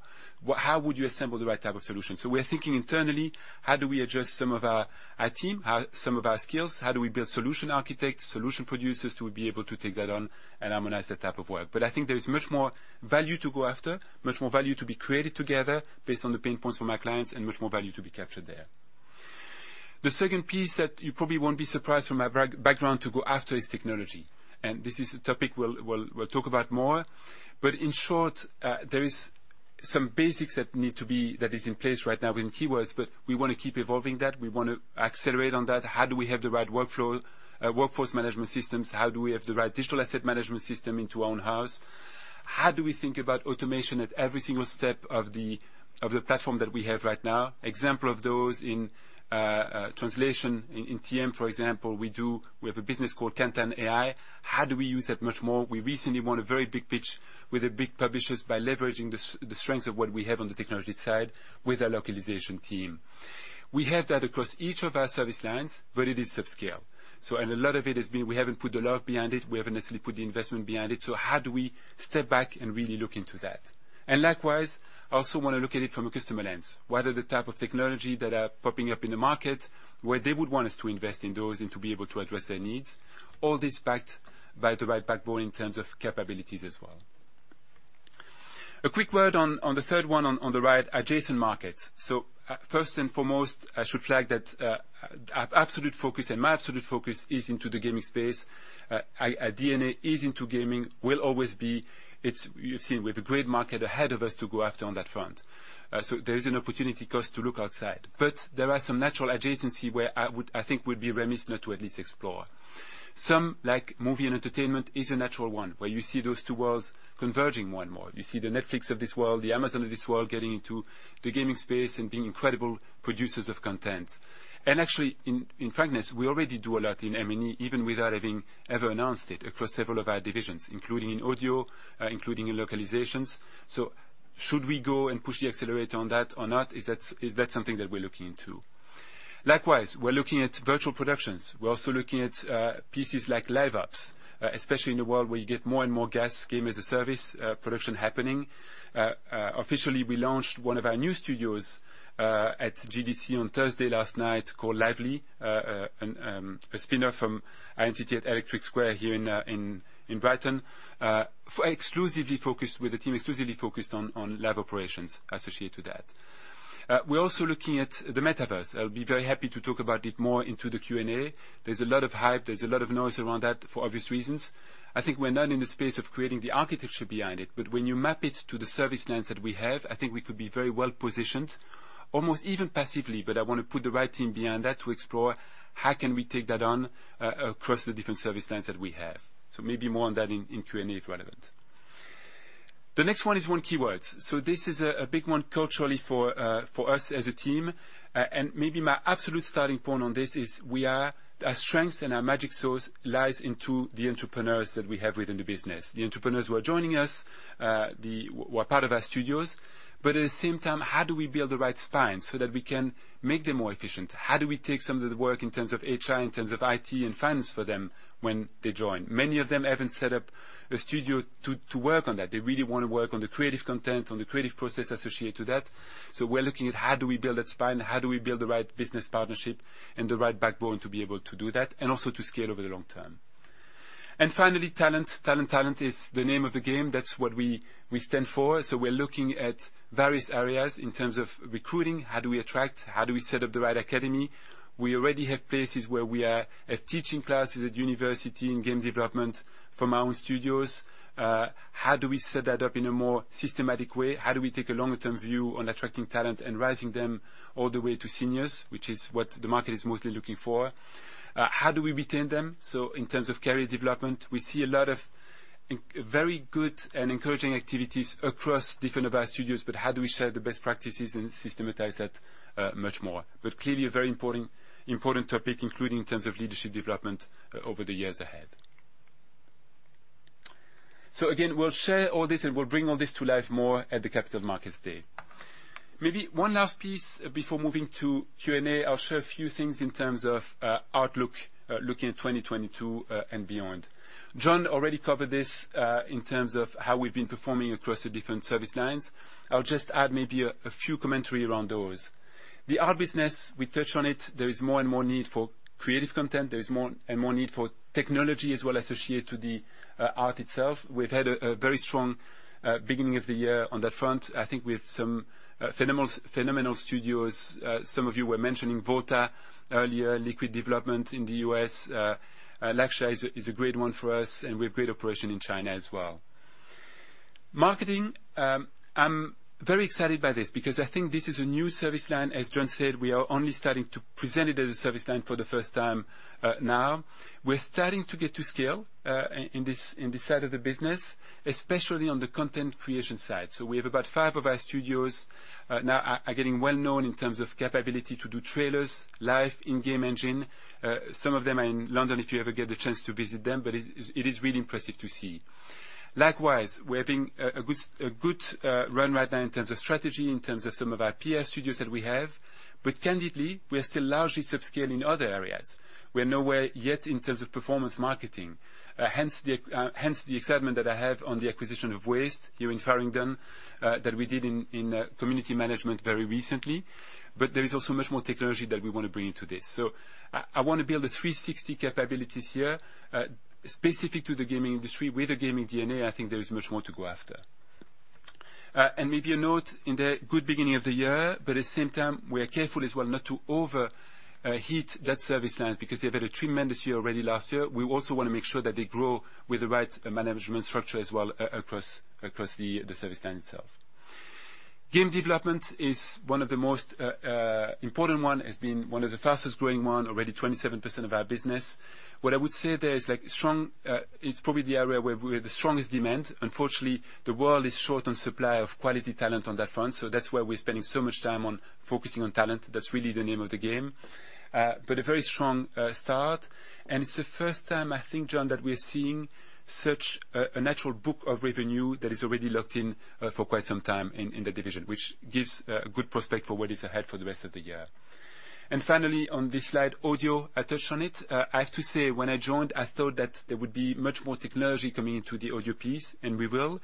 How would you assemble the right type of solution? We're thinking internally, how do we adjust some of our team, how some of our skills, how do we build solution architects, solution producers to be able to take that on and harmonize that type of work? I think there is much more value to go after, much more value to be created together based on the pain points from our clients, and much more value to be captured there. The second piece that you probably won't be surprised from my background to go after is technology. This is a topic we'll talk about more. In short, there is some basics that is in place right now within Keywords, but we wanna keep evolving that. We wanna accelerate on that. How do we have the right workflow? Workforce management systems, how do we have the right digital asset management system in-house? How do we think about automation at every single step of the platform that we have right now? Examples of those in translation in TM, for example, we have a business called KantanAI. How do we use that much more? We recently won a very big pitch with the big publishers by leveraging the strengths of what we have on the technology side with our Localization team. We have that across each of our service lines, but it is subscale. And a lot of it has been we haven't put a lot behind it. We haven't necessarily put the investment behind it. How do we step back and really look into that? Likewise, I also wanna look at it from a customer lens. What are the type of technology that are popping up in the market, where they would want us to invest in those and to be able to address their needs? All this backed by the right backbone in terms of capabilities as well. A quick word on the third one on the right, adjacent markets. First and foremost, I should flag that our absolute focus and my absolute focus is into the gaming space. Our DNA is into gaming, will always be. You've seen we have a great market ahead of us to go after on that front. There is an opportunity cost to look outside. There are some natural adjacency where I think we'd be remiss not to at least explore. Some, like movie and entertainment, is a natural one, where you see those two worlds converging more and more. You see the Netflix of this world, the Amazon of this world, getting into the gaming space and being incredible producers of content. Actually, in fairness, we already do a lot in M&E, even without having ever announced it across several of our divisions, including in Audio, including in Localizations. Should we go and push the accelerator on that or not? Is that something that we're looking into? Likewise, we're looking at virtual productions. We're also looking at pieces like live ops, especially in a world where you get more and more GaaS, Games as a Service, production happening. Officially, we launched one of our new studios at GDC on Thursday last night called Lively. A spin-off from our entity at Electric Square here in Brighton, exclusively focused on live operations associated to that. We're also looking at the Metaverse. I'll be very happy to talk about it more in the Q&A. There's a lot of hype, there's a lot of noise around that for obvious reasons. I think we're not in the space of creating the architecture behind it, but when you map it to the service lines that we have, I think we could be very well positioned, almost even passively. I wanna put the right team behind that to explore how can we take that on across the different service lines that we have. Maybe more on that in Q&A if relevant. The next one is on Keywords. This is a big one culturally for us as a team. And maybe my absolute starting point on this is our strengths and our magic source lies into the entrepreneurs that we have within the business, the entrepreneurs who are joining us, who are part of our studios. But at the same time, how do we build the right spine so that we can make them more efficient? How do we take some of the work in terms of HR, in terms of IT and finance for them when they join? Many of them haven't set up a studio to work on that. They really wanna work on the creative content, on the creative process associated to that. We're looking at how do we build that spine? How do we build the right business partnership and the right backbone to be able to do that, and also to scale over the long term? Finally, talent. Talent is the name of the game. That's what we stand for. We're looking at various areas in terms of recruiting. How do we attract? How do we set up the right academy? We already have places where we have teaching classes at university in Game Development from our own studios. How do we set that up in a more systematic way? How do we take a longer term view on attracting talent and rising them all the way to seniors, which is what the market is mostly looking for? How do we retain them? In terms of career development, we see a lot of very good and encouraging activities across different of our studios, but how do we share the best practices and systematize that much more? Clearly a very important topic, including in terms of leadership development over the years ahead. Again, we'll share all this, and we'll bring all this to life more at the Capital Markets Day. Maybe one last piece before moving to Q&A. I'll share a few things in terms of outlook, looking at 2022 and beyond. Jon already covered this in terms of how we've been performing across the different service lines. I'll just add maybe a few commentary around those. The Art business, we touched on it. There is more and more need for creative content. There is more and more need for technology as well associated to the Art itself. We've had a very strong beginning of the year on that front. I think we have some phenomenal studios. Some of you were mentioning Volta earlier, Liquid Development in the U.S. Lakshya Digital is a great one for us, and we have great operation in China as well. Marketing. I'm very excited by this because I think this is a new service line. As Jon said, we are only starting to present it as a service line for the first time now. We're starting to get to scale in this side of the business, especially on the content creation side. We have about five of our studios now are getting well known in terms of capability to do trailers, live in-game engine. Some of them are in London, if you ever get the chance to visit them, but it is really impressive to see. Likewise, we're having a good run right now in terms of strategy, in terms of some of our PR studios that we have. Candidly, we are still largely subscale in other areas. We are nowhere yet in terms of performance marketing. Hence the excitement that I have on the acquisition of Waste Creative here in Farringdon that we did in community management very recently. There is also much more technology that we wanna bring into this. I wanna build a 360 capabilities here, specific to the gaming industry. With the gaming DNA, I think there is much more to go after. Maybe a nod to the good beginning of the year, but at the same time, we are careful as well not to overheat that service lines because they've had a tremendous year already last year. We also wanna make sure that they grow with the right management structure as well across the service line itself. Game development is one of the most important one, has been one of the fastest-growing one, already 27% of our business. What I would say there is like strong. It's probably the area where we have the strongest demand. Unfortunately, the world is short on supply of quality talent on that front, so that's why we're spending so much time on focusing on talent. That's really the name of the game. A very strong start, and it's the first time, I think, Jon, that we're seeing such a natural book of revenue that is already locked in for quite some time in the division, which gives good prospect for what is ahead for the rest of the year. Finally, on this slide, Audio, I touched on it. I have to say, when I joined, I thought that there would be much more technology coming into the Audio piece, and we will.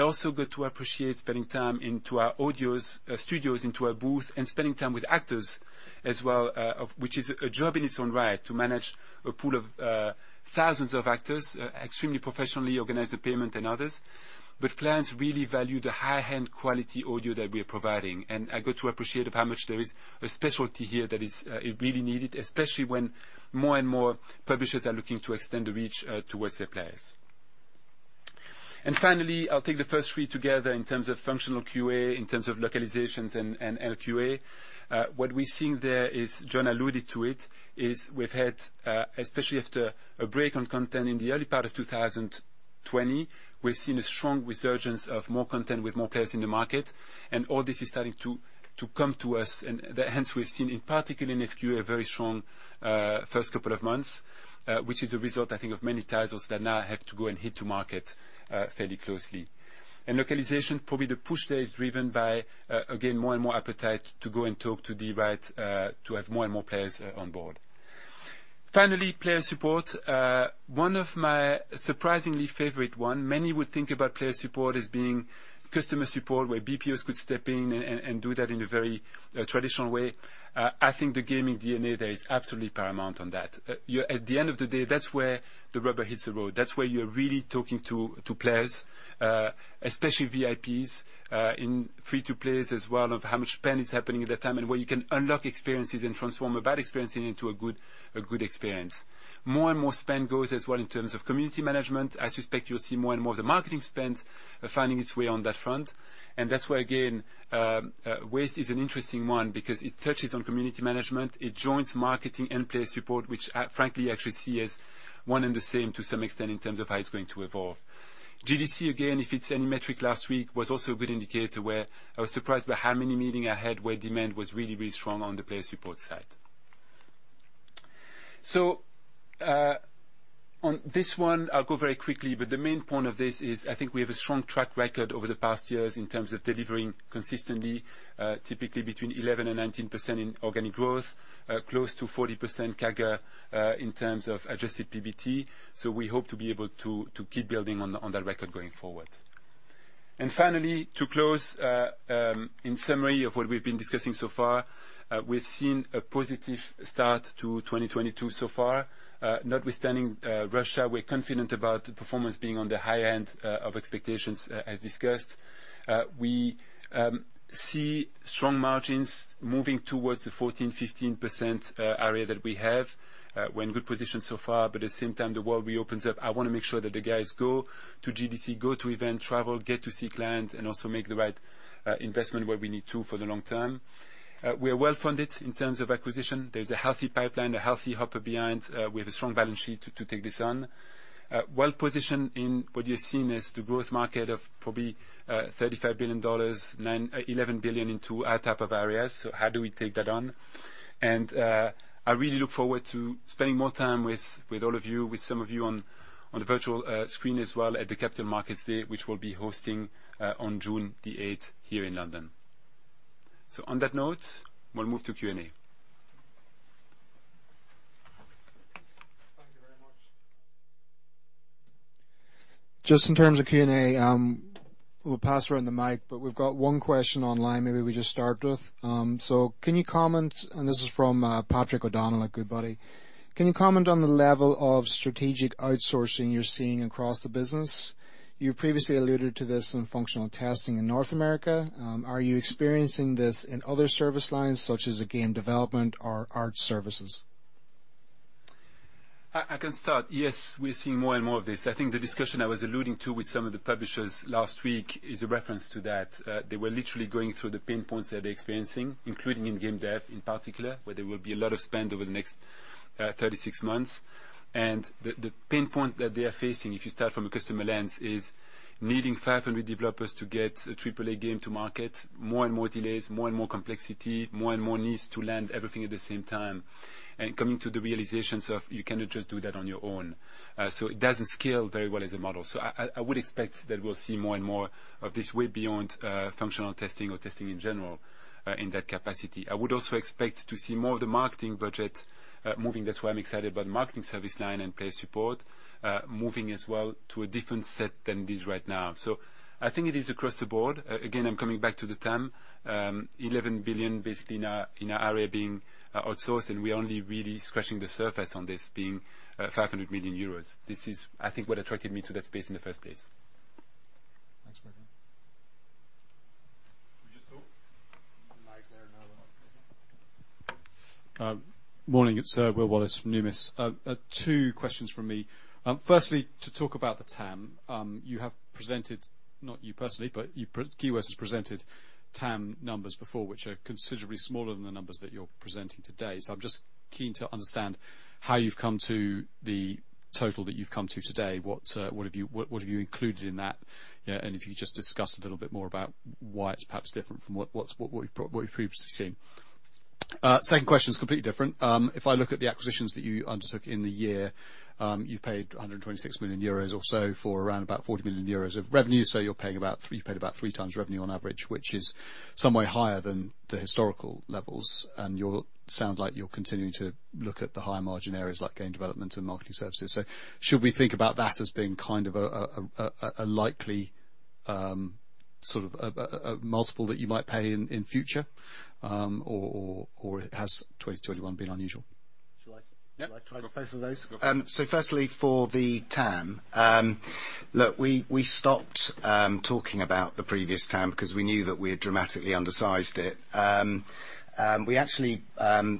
Also got to appreciate spending time into our Audio studios, into our booth, and spending time with actors as well, of which is a job in its own right to manage a pool of thousands of actors, extremely professionally organized, the payment and others. Clients really value the high-end quality Audio that we're providing. I got to appreciate how much there is a specialty here that is really needed, especially when more and more publishers are looking to extend the reach towards their players. Finally, I'll take the first three together in terms of FQA, in terms of Localizations and LQA. What we're seeing there is, Jon alluded to it, is we've had, especially after a break on content in the early part of 2020, we've seen a strong resurgence of more content with more players in the market. All this is starting to come to us. Hence we've seen, in particular in FQA, a very strong first couple of months, which is a result, I think, of many titles that now have to go and hit the market fairly closely. In Localization, probably the push there is driven by, again, more and more appetite to go and talk to the right, to have more and more players on board. Finally, Player Support. One of my surprisingly favorite one. Many would think about Player Support as being customer support, where BPOs could step in and do that in a very traditional way. I think the gaming DNA there is absolutely paramount on that. At the end of the day, that's where the rubber hits the road. That's where you're really talking to players, especially VIPs, in free-to-plays as well, of how much spend is happening at that time and where you can unlock experiences and transform a bad experience into a good experience. More and more spend goes as well in terms of community management. I suspect you'll see more and more of the Marketing spend finding its way on that front. That's where, again, Waste Creative is an interesting one because it touches on community management. It joins Marketing and Player Support, which I frankly actually see as one and the same to some extent in terms of how it's going to evolve. GDC, again, if it's any indication last week, was also a good indicator where I was surprised by how many meetings I had, where demand was really, really strong on the Player Support side. On this one, I'll go very quickly, but the main point of this is I think we have a strong track record over the past years in terms of delivering consistently, typically between 11%-19% in organic growth, close to 40% CAGR, in terms of adjusted PBT. We hope to be able to keep building on that record going forward. Finally, to close, in summary of what we've been discussing so far, we've seen a positive start to 2022 so far. Notwithstanding Russia, we're confident about performance being on the high end of expectations as discussed. We see strong margins moving towards the 14%-15% area that we have. We're in good position so far, but at the same time, the world reopens up. I wanna make sure that the guys go to GDC, go to event, travel, get to see clients, and also make the right investment where we need to for the long term. We are well-funded in terms of acquisition. There's a healthy pipeline, a healthy hopper behind. We have a strong balance sheet to take this on. Well-positioned in what you're seeing as the growth market of probably $35 billion, $9 billion-$11 billion into our type of areas. How do we take that on? I really look forward to spending more time with all of you, with some of you on the virtual screen as well at the Capital Markets Day, which we'll be hosting on June 8th here in London. On that note, we'll move to Q&A. Thank you very much. Just in terms of Q&A, we'll pass around the mic, but we've got one question online maybe we just start with. Can you comment, and this is from Patrick O'Donnell, a good buddy. "Can you comment on the level of strategic outsourcing you're seeing across the business? You previously alluded to this in Functional Testing in North America. Are you experiencing this in other service lines, such as again, development or Art services?". I can start. Yes, we're seeing more and more of this. I think the discussion I was alluding to with some of the publishers last week is a reference to that. They were literally going through the pain points that they're experiencing, including in game dev in particular, where there will be a lot of spend over the next 36 months. The pain point that they are facing, if you start from a customer lens, is needing 500 developers to get a AAA game to market. More and more delays, more and more complexity, more and more needs to land everything at the same time, and coming to the realizations of you cannot just do that on your own. It doesn't scale very well as a model. I would expect that we'll see more and more of this way beyond Functional Testing or Testing in general in that capacity. I would also expect to see more of the Marketing budget moving. That's why I'm excited about Marketing service line and Player Support moving as well to a different set than it is right now. I think it is across the board. Again, I'm coming back to the TAM. 11 billion basically in our area being outsourced, and we're only really scratching the surface on this being 500 million euros. This is, I think, what attracted me to that space in the first place. Thanks, Bertrand. We just talk? The mic's there now. Morning, it's Will Wallace from Numis. Two questions from me. Firstly, to talk about the TAM. You have presented, not you personally, but Keywords has presented TAM numbers before, which are considerably smaller than the numbers that you're presenting today. I'm just keen to understand how you've come to the total that you've come to today. What have you included in that? And if you could just discuss a little bit more about why it's perhaps different from what we've previously seen. Second question is completely different. If I look at the acquisitions that you undertook in the year, you paid 126 million euros or so for around about 40 million euros of revenue. You've paid about 3x revenue on average, which is some way higher than the historical levels. Sounds like you're continuing to look at the higher margin areas like Game Development and Marketing Services. Should we think about that as being kind of a likely sort of a multiple that you might pay in future? Or has 2021 been unusual? Shall I- Yeah. Shall I try to- Go for it. pay for those? Go for it. Firstly, for the TAM. Look, we stopped talking about the previous TAM because we knew that we had dramatically undersized it. We actually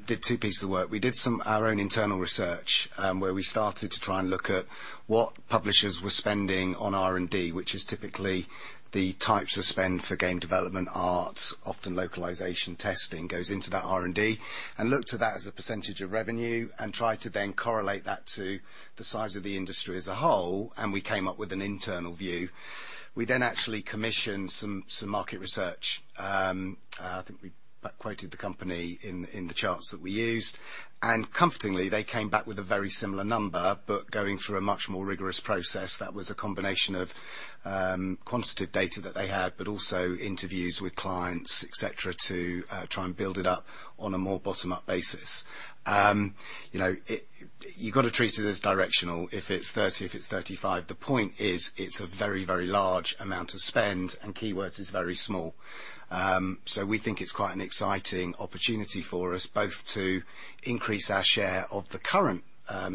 did two pieces of work. We did our own internal research, where we started to try and look at what publishers were spending on R&D, which is typically the types of spend for Game Development, Art, often Localization, Testing goes into that R&D, looked to that as a percentage of revenue and tried to then correlate that to the size of the industry as a whole, and we came up with an internal view. We then actually commissioned some market research. I think that quoted the company in the charts that we used. Comfortingly, they came back with a very similar number, but going through a much more rigorous process. That was a combination of quantitative data that they had, but also interviews with clients, et cetera, to try and build it up on a more bottom-up basis. You know, you gotta treat it as directional. If it's $30 billion, if it's $35 billion, the point is it's a very, very large amount of spend, and Keywords is very small. We think it's quite an exciting opportunity for us, both to increase our share of the current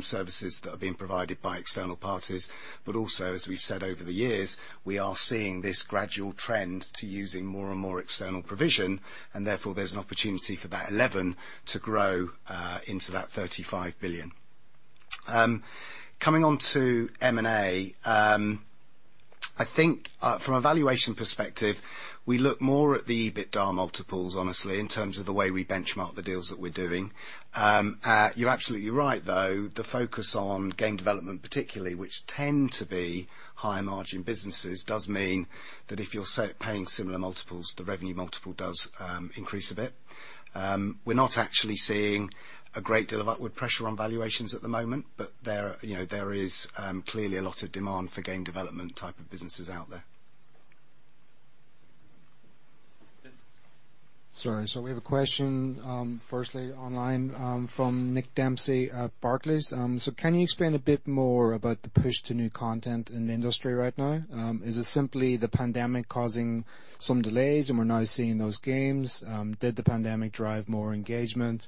services that are being provided by external parties, but also, as we've said over the years, we are seeing this gradual trend to using more and more external provision. Therefore, there's an opportunity for that $11 billion to grow into that $35 billion. Coming on to M&A, I think, from a valuation perspective, we look more at the EBITDA multiples, honestly, in terms of the way we benchmark the deals that we're doing. You're absolutely right, though. The focus on Game Development particularly, which tend to be higher margin businesses, does mean that if you're paying similar multiples, the revenue multiple does increase a bit. We're not actually seeing a great deal of upward pressure on valuations at the moment, but there, you know, there is clearly a lot of demand for Game Development type of businesses out there. Yes. We have a question, firstly online, from Nick Dempsey at Barclays. "Can you explain a bit more about the push to new content in the industry right now? Is it simply the pandemic causing some delays and we're now seeing those games? Did the pandemic drive more engagement?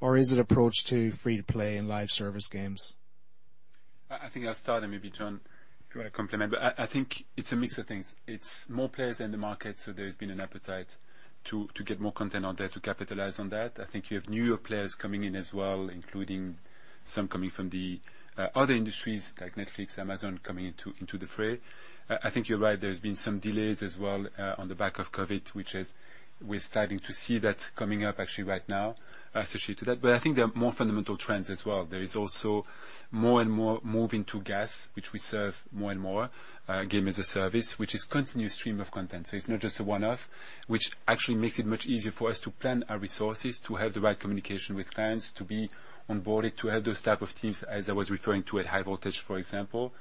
Or is it approach to free-to-play in live-service games?". I think I'll start and maybe Jon, do you wanna comment. I think it's a mix of things. It's more players in the market, so there's been an appetite to get more content on there to capitalize on that. I think you have newer players coming in as well, including some coming from the other industries like Netflix, Amazon, coming into the fray. I think you're right, there's been some delays as well on the back of COVID, which we're starting to see that coming up actually right now, associated to that. I think there are more fundamental trends as well. There is also more and more move into GaaS, which we serve more and more, Game-as-a-Service, which is continuous stream of content. It's not just a one-off, which actually makes it much easier for us to plan our resources, to have the right communication with clients, to be on board, to have those type of teams, as I was referring to at High Voltage, for example.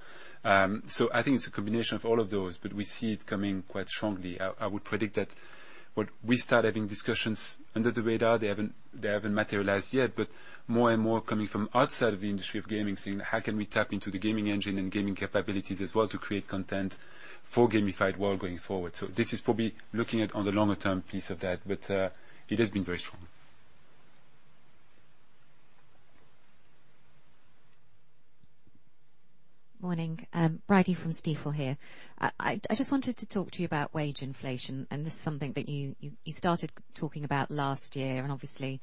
I think it's a combination of all of those, but we see it coming quite strongly. I would predict that what we start having discussions under the radar, they haven't materialized yet, but more and more coming from outside of the industry of gaming, saying, "How can we tap into the gaming engine and gaming capabilities as well to create content for gamified world going forward?" This is probably looking at on the longer term piece of that, but it has been very strong. Morning. Bridie Barrett from Stifel here. I just wanted to talk to you about wage inflation, and this is something that you started talking about last year. Obviously,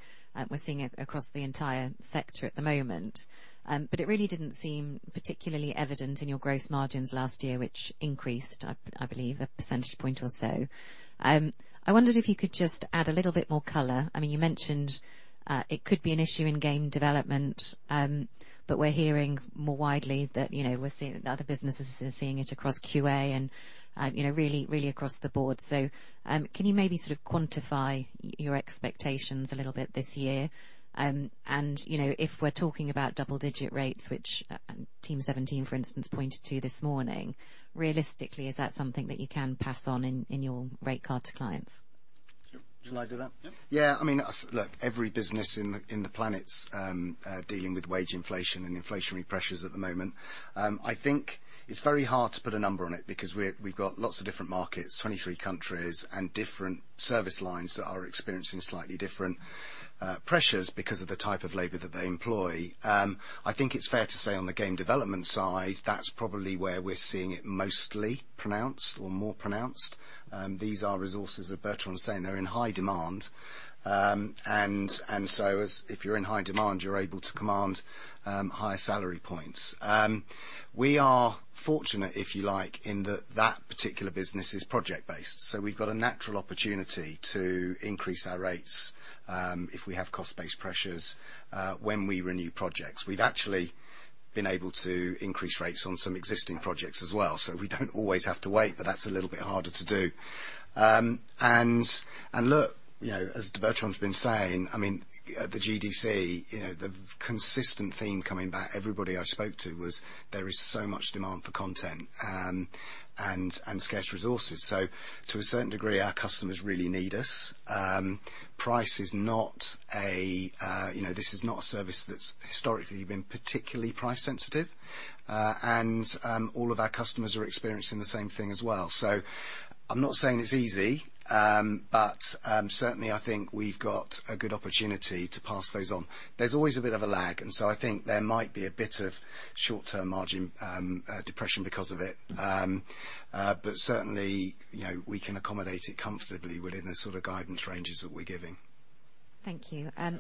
we're seeing it across the entire sector at the moment. But it really didn't seem particularly evident in your gross margins last year, which increased, I believe, a percentage point or so. I wondered if you could just add a little bit more color. I mean, you mentioned it could be an issue in Game Development, but we're hearing more widely that, you know, that the other businesses are seeing it across QA and, you know, really across the board. Can you maybe sort of quantify your expectations a little bit this year? You know, if we're talking about double digit rates, which Team17, for instance, pointed to this morning, realistically, is that something that you can pass on in your rate card to clients? Shall I do that? Yeah. Yeah, I mean, look, every business gn the planet is dealing with wage inflation and inflationary pressures at the moment. I think it's very hard to put a number on it because we've got lots of different markets, 23 countries, and different service lines that are experiencing slightly different pressures because of the type of labor that they employ. I think it's fair to say on the Game Development side, that's probably where we're seeing it mostly pronounced or more pronounced. These are resources that Bertrand was saying, they're in high demand. And so as if you're in high demand, you're able to command higher salary points. We are fortunate, if you like, in that that particular business is project-based. We've got a natural opportunity to increase our rates, if we have cost-based pressures, when we renew projects. We've actually been able to increase rates on some existing projects as well. We don't always have to wait, but that's a little bit harder to do. Look, you know, as Bertrand's been saying, I mean, at the GDC, you know, the consistent theme coming back, everybody I spoke to was, there is so much demand for content, and scarce resources. To a certain degree, our customers really need us. Price is not a, you know, this is not a service that's historically been particularly price sensitive. All of our customers are experiencing the same thing as well. I'm not saying it's easy, but certainly, I think we've got a good opportunity to pass those on. There's always a bit of a lag, and so I think there might be a bit of short-term margin depression because of it. But certainly, you know, we can accommodate it comfortably within the sort of guidance ranges that we're giving. Thank you. I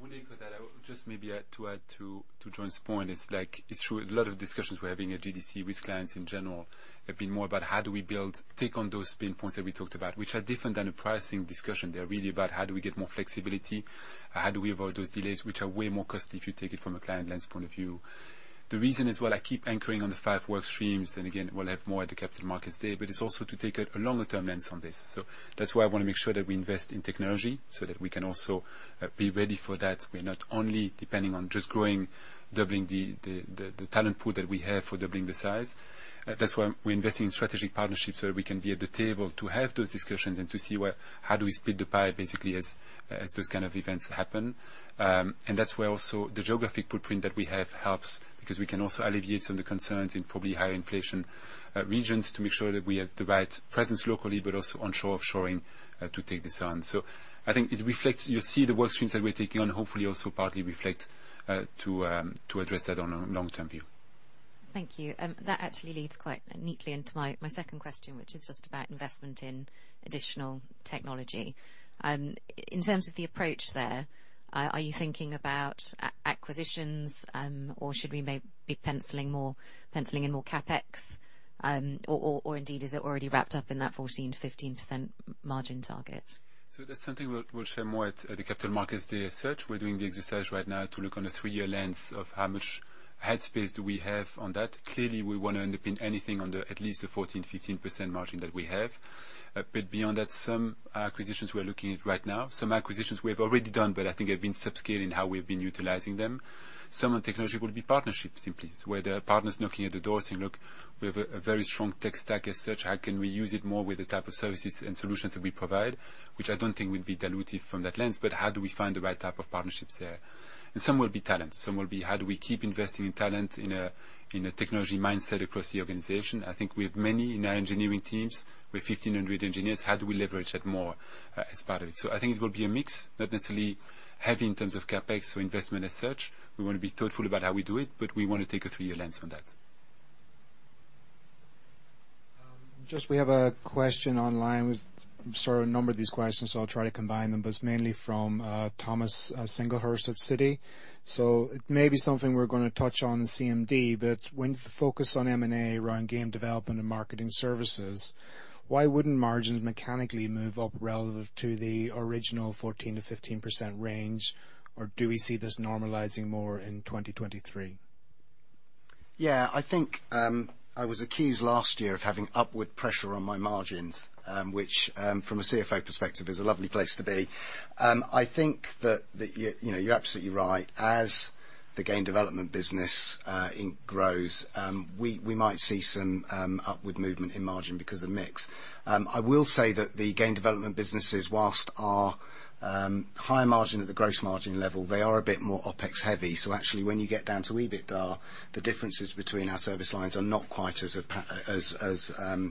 would echo that. Just maybe to add to Jon's point, it's like, it's true, a lot of discussions we're having at GDC with clients in general have been more about how do we build, take on those pain points that we talked about, which are different than a pricing discussion. They're really about how do we get more flexibility, how do we avoid those delays, which are way more costly if you take it from a client lens point of view. The reason as well I keep anchoring on the five work streams, and again, we'll have more at the Capital Markets Day, but it's also to take a longer-term lens on this. That's why I wanna make sure that we invest in technology so that we can also be ready for that. We're not only depending on just growing, doubling the talent pool that we have for doubling the size. That's why we're investing in strategic partnerships so that we can be at the table to have those discussions and to see where, how do we split the pie basically as those kind of events happen. That's where also the geographic footprint that we have helps because we can also alleviate some of the concerns in probably higher inflation regions to make sure that we have the right presence locally, but also onshore, offshoring to take this on. I think it reflects, you see the work streams that we're taking on, hopefully also partly reflect to address that on a long-term view. Thank you. That actually leads quite neatly into my second question, which is just about investment in additional technology. In terms of the approach there, are you thinking about acquisitions, or should we maybe be penciling in more CapEx? Or indeed, is it already wrapped up in that 14%-15% margin target? That's something we'll share more at the Capital Markets Day. We're doing the exercise right now to look on a three-year lens of how much head space do we have on that. Clearly, we wanna underpin anything under at least the 14%-15% margin that we have. But beyond that, some acquisitions we're looking at right now. Some acquisitions we have already done, but I think have been sub-scale in how we've been utilizing them. Some on technology will be partnerships simply. It's where the partner's knocking at the door saying, "Look, we have a very strong tech stack as such. How can we use it more with the type of services and solutions that we provide?" Which I don't think will be dilutive from that lens, but how do we find the right type of partnerships there? Some will be talent. Some will be how do we keep investing in talent in a technology mindset across the organization. I think we have many in our engineering teams. We have 1,500 engineers. How do we leverage that more, as part of it? I think it will be a mix, not necessarily heavy in terms of CapEx or investment as such. We wanna be thoughtful about how we do it, but we wanna take a three-year lens on that. Just, we have a question online. We've sort of numbered these questions, so I'll try to combine them, but it's mainly from Thomas Singlehurst at Citi. So it may be something we're gonna touch on CMD, but when the focus on M&A around Game Development and Marketing Services, why wouldn't margins mechanically move up relative to the original 14%-15% range? Or do we see this normalizing more in 2023? Yeah. I think I was accused last year of having upward pressure on my margins, which, from a CFO perspective is a lovely place to be. I think that you know, you're absolutely right. As the Game Development business it grows, we might see some upward movement in margin because of mix. I will say that the Game Development businesses, while are higher margin at the gross margin level, they are a bit more OpEx heavy. Actually, when you get down to EBITDA, the differences between our service lines are not quite as apparent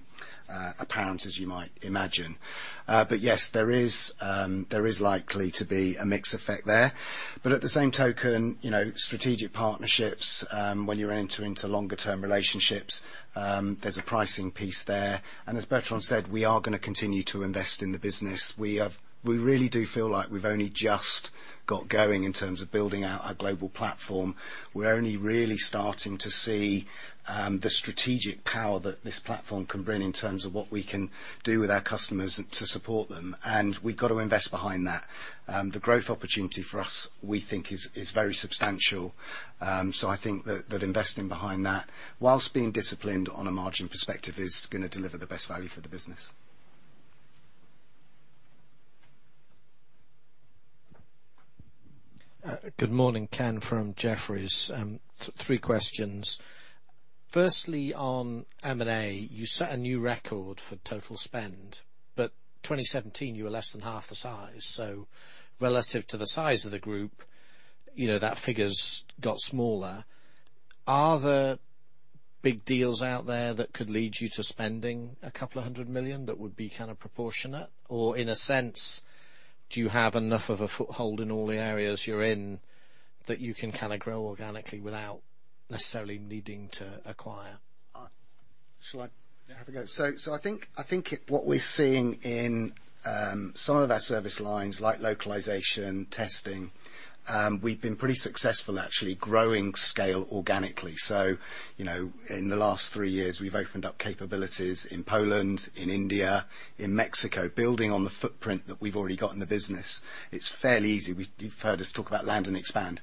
as you might imagine. Yes, there is likely to be a mix effect there. At the same token, you know, strategic partnerships, when you're entering into longer-term relationships, there's a pricing piece there. As Bertrand said, we are gonna continue to invest in the business. We really do feel like we've only just got going in terms of building out our global platform. We're only really starting to see the strategic power that this platform can bring in terms of what we can do with our customers and to support them, and we've got to invest behind that. The growth opportunity for us, we think, is very substantial. I think that investing behind that, whilst being disciplined on a margin perspective, is gonna deliver the best value for the business. Good morning. Ken Rumph from Jefferies. Three questions. Firstly, on M&A, you set a new record for total spend, but 2017, you were less than half the size. Relative to the size of the group, you know, that figure's got smaller. Are the big deals out there that could lead you to spending a couple of hundred million that would be kind of proportionate? Or in a sense, do you have enough of a foothold in all the areas you're in that you can kind of grow organically without necessarily needing to acquire? Shall I have a go? I think what we're seeing in some of our service lines, like Localization, Testing, we've been pretty successful actually growing scale organically. You know, in the last three years we've opened up capabilities in Poland, in India, in Mexico, building on the footprint that we've already got in the business. It's fairly easy. You've heard us talk about land and expand.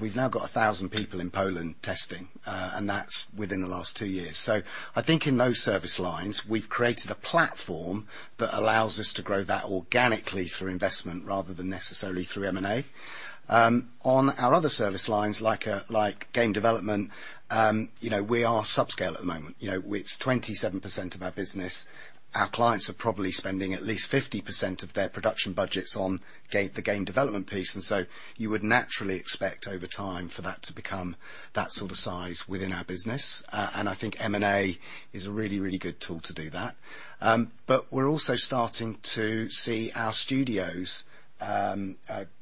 We've now got 1,000 people in Poland testing, and that's within the last two years. I think in those service lines, we've created a platform that allows us to grow that organically through investment rather than necessarily through M&A. On our other service lines, like Game Development, you know, we are subscale at the moment. You know, it's 27% of our business. Our clients are probably spending at least 50% of their production budgets on the Game Development piece, and so you would naturally expect over time for that to become that sort of size within our business. I think M&A is a really good tool to do that. We're also starting to see our studios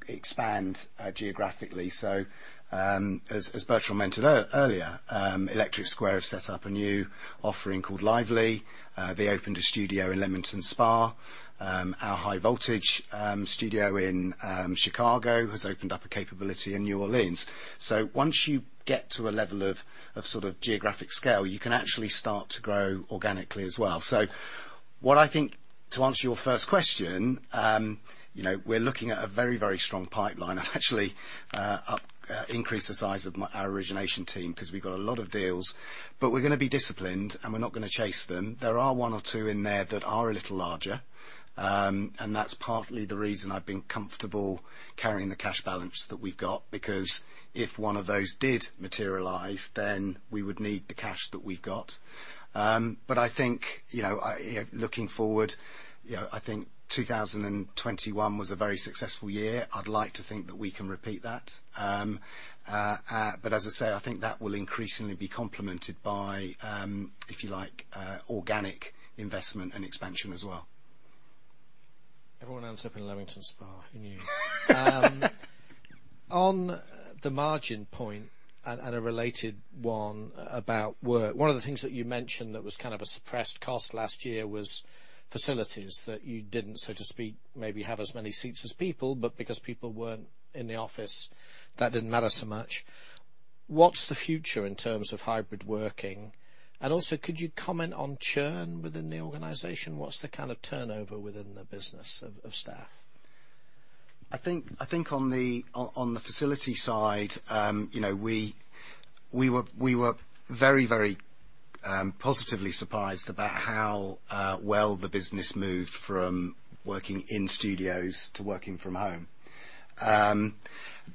expand geographically. As Bertrand mentioned earlier, Electric Square have set up a new offering called Lively. They opened a studio in Leamington Spa. Our High Voltage studio in Chicago has opened up a capability in New Orleans. Once you get to a level of sort of geographic scale, you can actually start to grow organically as well. What I think, to answer your first question, you know, we're looking at a very, very strong pipeline. I've actually increased the size of our origination team because we've got a lot of deals. But we're gonna be disciplined, and we're not gonna chase them. There are one or two in there that are a little larger, and that's partly the reason I've been comfortable carrying the cash balance that we've got, because if one of those did materialize, then we would need the cash that we've got. But I think, you know, looking forward, you know, I think 2021 was a very successful year. I'd like to think that we can repeat that. As I say, I think that will increasingly be complemented by, if you like, organic investment and expansion as well. Everyone ends up in Leamington Spa, who knew? On the margin point, and a related one about work, one of the things that you mentioned that was kind of a suppressed cost last year was facilities, that you didn't, so to speak, maybe have as many seats as people, but because people weren't in the office, that didn't matter so much. What's the future in terms of hybrid working? Also could you comment on churn within the organization? What's the kind of turnover within the business of staff? I think on the facility side, you know, we were very positively surprised about how well the business moved from working in studios to working from home.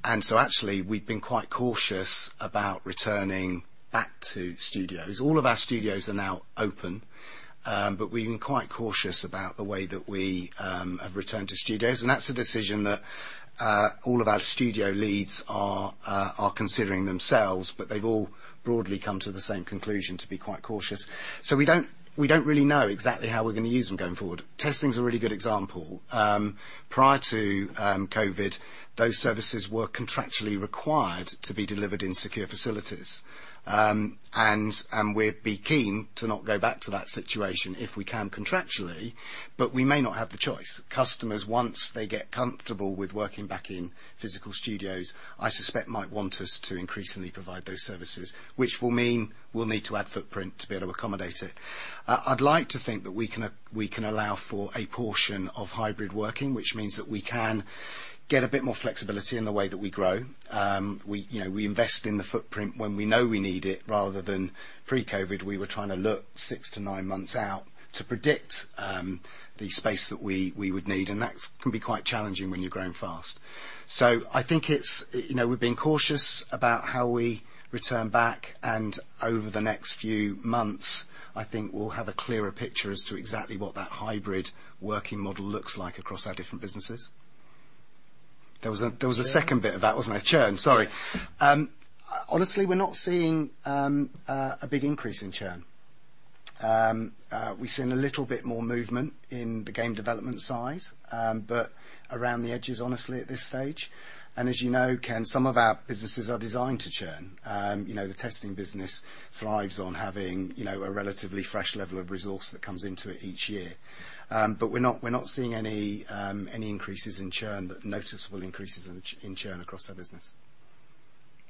Actually, we've been quite cautious about returning back to studios. All of our studios are now open, but we've been quite cautious about the way that we have returned to studios, and that's a decision that all of our studio leads are considering themselves, but they've all broadly come to the same conclusion, to be quite cautious. We don't really know exactly how we're gonna use them going forward. Testing's a really good example. Prior to COVID, those services were contractually required to be delivered in secure facilities. We'd be keen to not go back to that situation if we can contractually, but we may not have the choice. Customers, once they get comfortable with working back in physical studios, I suspect might want us to increasingly provide those services, which will mean we'll need to add footprint to be able to accommodate it. I'd like to think that we can allow for a portion of hybrid working, which means that we can get a bit more flexibility in the way that we grow. You know, we invest in the footprint when we know we need it, rather than pre-COVID, we were trying to look six to nine months out to predict the space that we would need, and that can be quite challenging when you're growing fast. I think it's, you know, we're being cautious about how we return back, and over the next few months, I think we'll have a clearer picture as to exactly what that hybrid working model looks like across our different businesses. There was a second bit of that, wasn't there? Churn, sorry. Honestly, we're not seeing a big increase in churn. We've seen a little bit more movement in the Game Development side, but around the edges honestly at this stage. As you know, Ken, some of our businesses are designed to churn. You know, the Testing business thrives on having, you know, a relatively fresh level of resource that comes into it each year. We're not seeing any increases in churn, noticeable increases in churn across our business.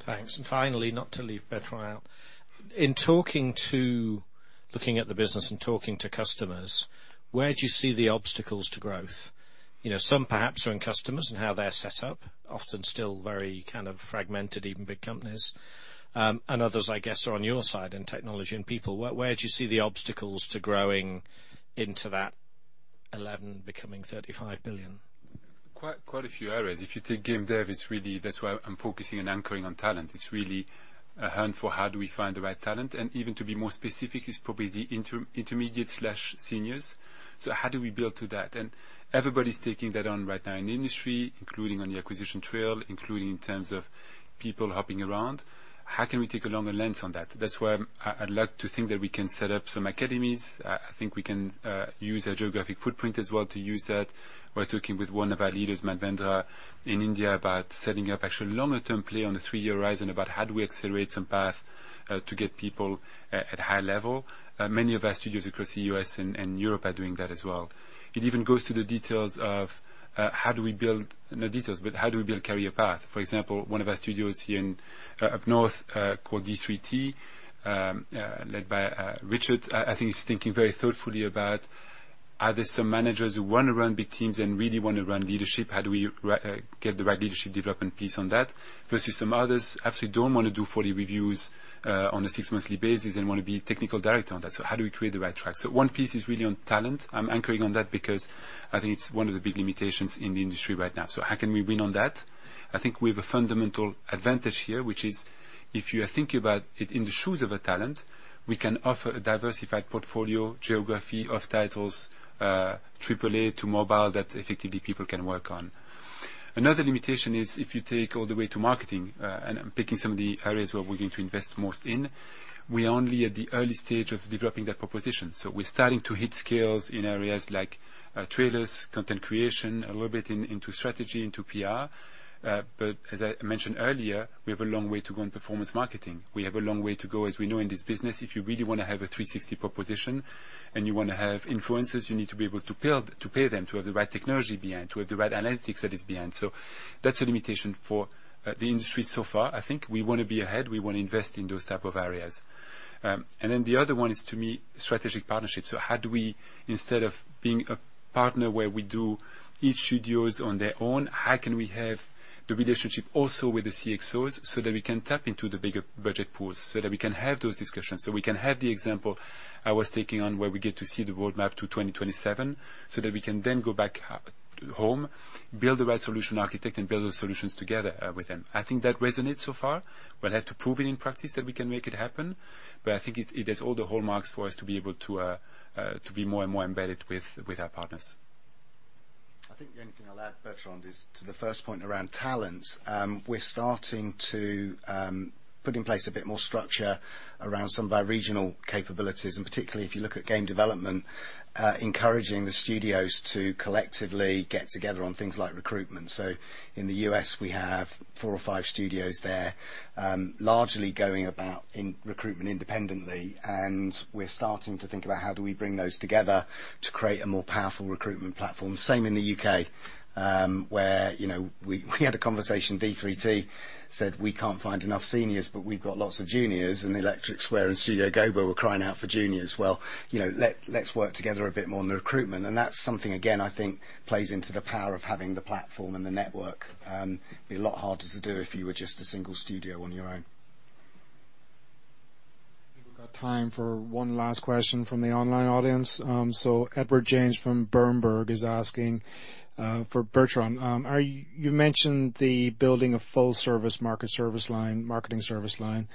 Thanks. Finally, not to leave Bertrand out. Looking at the business and talking to customers, where do you see the obstacles to growth? You know, some perhaps are in customers and how they're set up, often still very kind of fragmented, even big companies. And others, I guess, are on your side in technology and people. Where do you see the obstacles to growing into that $11 billion becoming $35 billion? Quite a few areas. If you take game dev, it's really. That's why I'm focusing on anchoring on talent. It's really a hunt for how do we find the right talent, and even to be more specific, it's probably the intermediate/seniors. How do we build to that? Everybody's taking that on right now in the industry, including on the acquisition trail, including in terms of people hopping around. How can we take a longer lens on that? That's why I'd like to think that we can set up some academies. I think we can use our geographic footprint as well to use that. We're talking with one of our leaders, [Matt Vaudra], in India, about setting up actual longer-term play on the three-year horizon about how do we accelerate some path to get people at high level. Many of our studios across the U.S. and Europe are doing that as well. It even goes to the details of how do we build. Not details, but how do we build career path? For example, one of our studios here in up north called d3t led by Richard. I think he's thinking very thoughtfully about, are there some managers who wanna run big teams and really wanna run leadership? How do we get the right leadership development piece on that? Versus some others absolutely don't wanna do 40 reviews on a six-monthly basis and wanna be technical director on that. How do we create the right track? One piece is really on talent. I'm anchoring on that because I think it's one of the big limitations in the industry right now. How can we win on that? I think we have a fundamental advantage here, which is if you are thinking about it in the shoes of a talent, we can offer a diversified portfolio, geography of titles, AAA to mobile that effectively people can work on. Another limitation is if you take all the way to Marketing, and I'm picking some of the areas where we're going to invest most in, we are only at the early stage of developing that proposition. We're starting to hit scales in areas like trailers, content creation, a little bit into strategy, into PR, but as I mentioned earlier, we have a long way to go in performance marketing. We have a long way to go, as we know in this business, if you really wanna have a 360 proposition and you wanna have influencers, you need to be able to pay them, to have the right technology behind, to have the right analytics that is behind. That's a limitation for the industry so far. I think we wanna be ahead. We wanna invest in those type of areas. The other one is, to me, strategic partnerships. How do we, instead of being a partner where we do each studios on their own, how can we have the relationship also with the CXOs so that we can tap into the bigger budget pools, so that we can have those discussions? We can have the example I was taking on where we get to see the roadmap to 2027, so that we can then go back home, build the right solution architect, and build those solutions together with them. I think that resonates so far. We'll have to prove it in practice that we can make it happen. I think it has all the hallmarks for us to be able to be more and more embedded with our partners. I think the only thing I'll add, Bertrand, is to the first point around talent. We're starting to put in place a bit more structure around some of our regional capabilities, and particularly if you look at Game Development, encouraging the studios to collectively get together on things like recruitment. In the U.S., we have 4 or 5 studios there, largely going about in recruitment independently, and we're starting to think about how do we bring those together to create a more powerful recruitment platform. Same in the U.K., where, you know, we had a conversation, d3t said we can't find enough seniors, but we've got lots of juniors, and Electric Square and Studio Gobo were crying out for juniors. Well, you know, let's work together a bit more on the recruitment. That's something, again, I think plays into the power of having the platform and the network. It'd be a lot harder to do if you were just a single studio on your own. I think we've got time for one last question from the online audience. So Edward James from Bernstein is asking, for Bertrand, you mentioned building a full-service Marketing service line.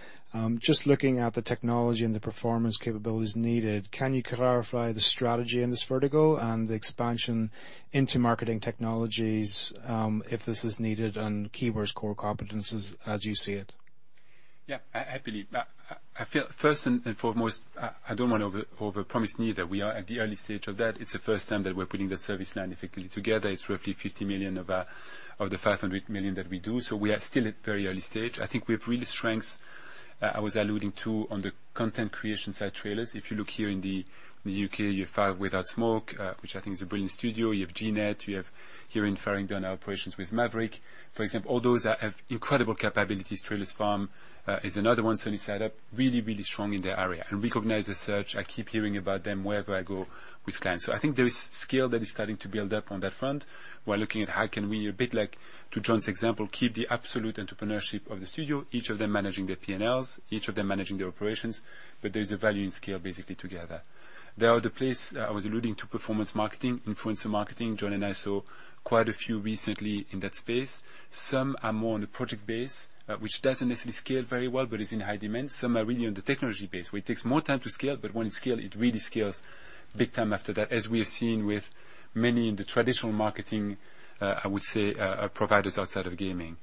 Just looking at the technology and the performance capabilities needed, can you clarify the strategy in this vertical and the expansion into Marketing technologies, if this is needed and Keywords' core competencies as you see it? Yeah, happily. I feel first and foremost, I don't want to overpromise neither. We are at the early stage of that. It's the first time that we're putting the service line effectively together. It's roughly 50 million of the 500 million that we do. So we are still at very early stage. I think we have real strengths I was alluding to on the content creation side trailers. If you look here in the U.K., you have Fire Without Smoke, which I think is a brilliant studio. You have G-Net Media. You have here in Farringdon, our operations with Maverick Media. For example, all those have incredible capabilities. TrailerFarm is another one certainly set up really, really strong in their area and recognized as such. I keep hearing about them wherever I go with clients. I think there is scale that is starting to build up on that front. We're looking at how can we, a bit like to Jon's example, keep the absolute entrepreneurship of the studio, each of them managing their P&Ls, each of them managing their operations, but there's a value in scale basically together. The other place I was alluding to performance marketing, influencer marketing. Jon and I saw quite a few recently in that space. Some are more on the project base, which doesn't necessarily scale very well, but is in high demand. Some are really on the technology base, where it takes more time to scale, but when it scale, it really scales big time after that, as we have seen with many in the traditional Marketing, I would say, providers outside of gaming.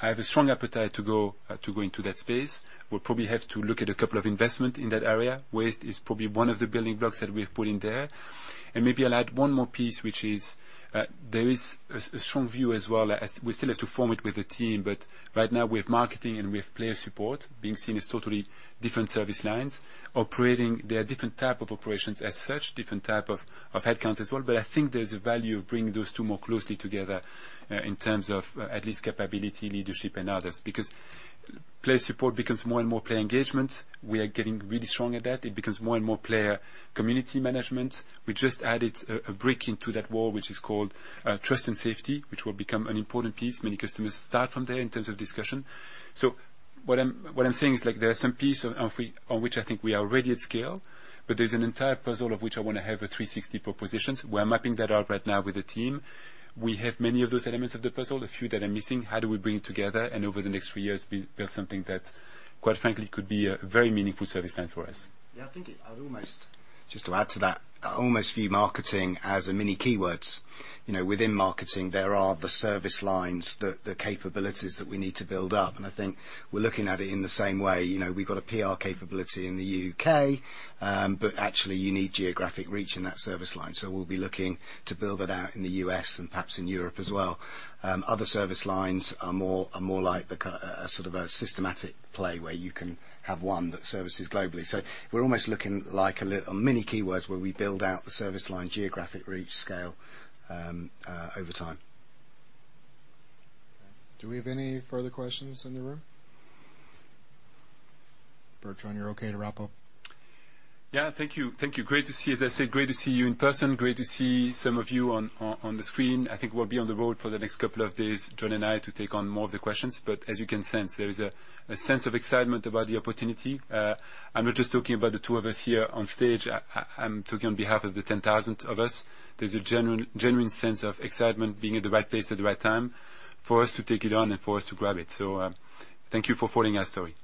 I have a strong appetite to go into that space. We'll probably have to look at a couple of investments in that area. Waste Creative is probably one of the building blocks that we're putting there. Maybe I'll add one more piece, which is, there is a strong view as well as we still have to form it with the team. Right now, we have Marketing and we have Player Support being seen as totally different service lines operating. They are different type of operations as such, different type of headcounts as well. I think there's a value of bringing those two more closely together, in terms of at least capability, leadership and others, because Player Support becomes more and more player engagement. We are getting really strong at that. It becomes more and more player community management. We just added a brick into that wall, which is called Trust & Safety, which will become an important piece. Many customers start from there in terms of discussion. What I'm saying is, like, there are some piece on which I think we are ready at scale, but there's an entire puzzle of which I wanna have a three-sixty propositions. We're mapping that out right now with the team. We have many of those elements of the puzzle, a few that are missing. How do we bring it together and over the next three years build something that, quite frankly, could be a very meaningful service line for us. Yeah, I think just to add to that, I almost view Marketing as a mini Keywords. You know, within Marketing, there are the service lines, the capabilities that we need to build up, and I think we're looking at it in the same way. You know, we've got a PR capability in the U.K., but actually you need geographic reach in that service line. We'll be looking to build that out in the U.S. and perhaps in Europe as well. Other service lines are more like sort of a systematic play where you can have one that services globally. We're almost looking like a mini Keywords, where we build out the service line, geographic reach, scale over time. Do we have any further questions in the room? Bertrand, you're okay to wrap up. Yeah. Thank you. Great to see you. As I said, great to see you in person. Great to see some of you on the screen. I think we'll be on the road for the next couple of days, Jon and I, to take on more of the questions. As you can sense, there is a sense of excitement about the opportunity. I'm not just talking about the two of us here on stage. I'm talking on behalf of the 10,000 of us. There's a genuine sense of excitement being at the right place at the right time for us to take it on and for us to grab it. Thank you for following our story.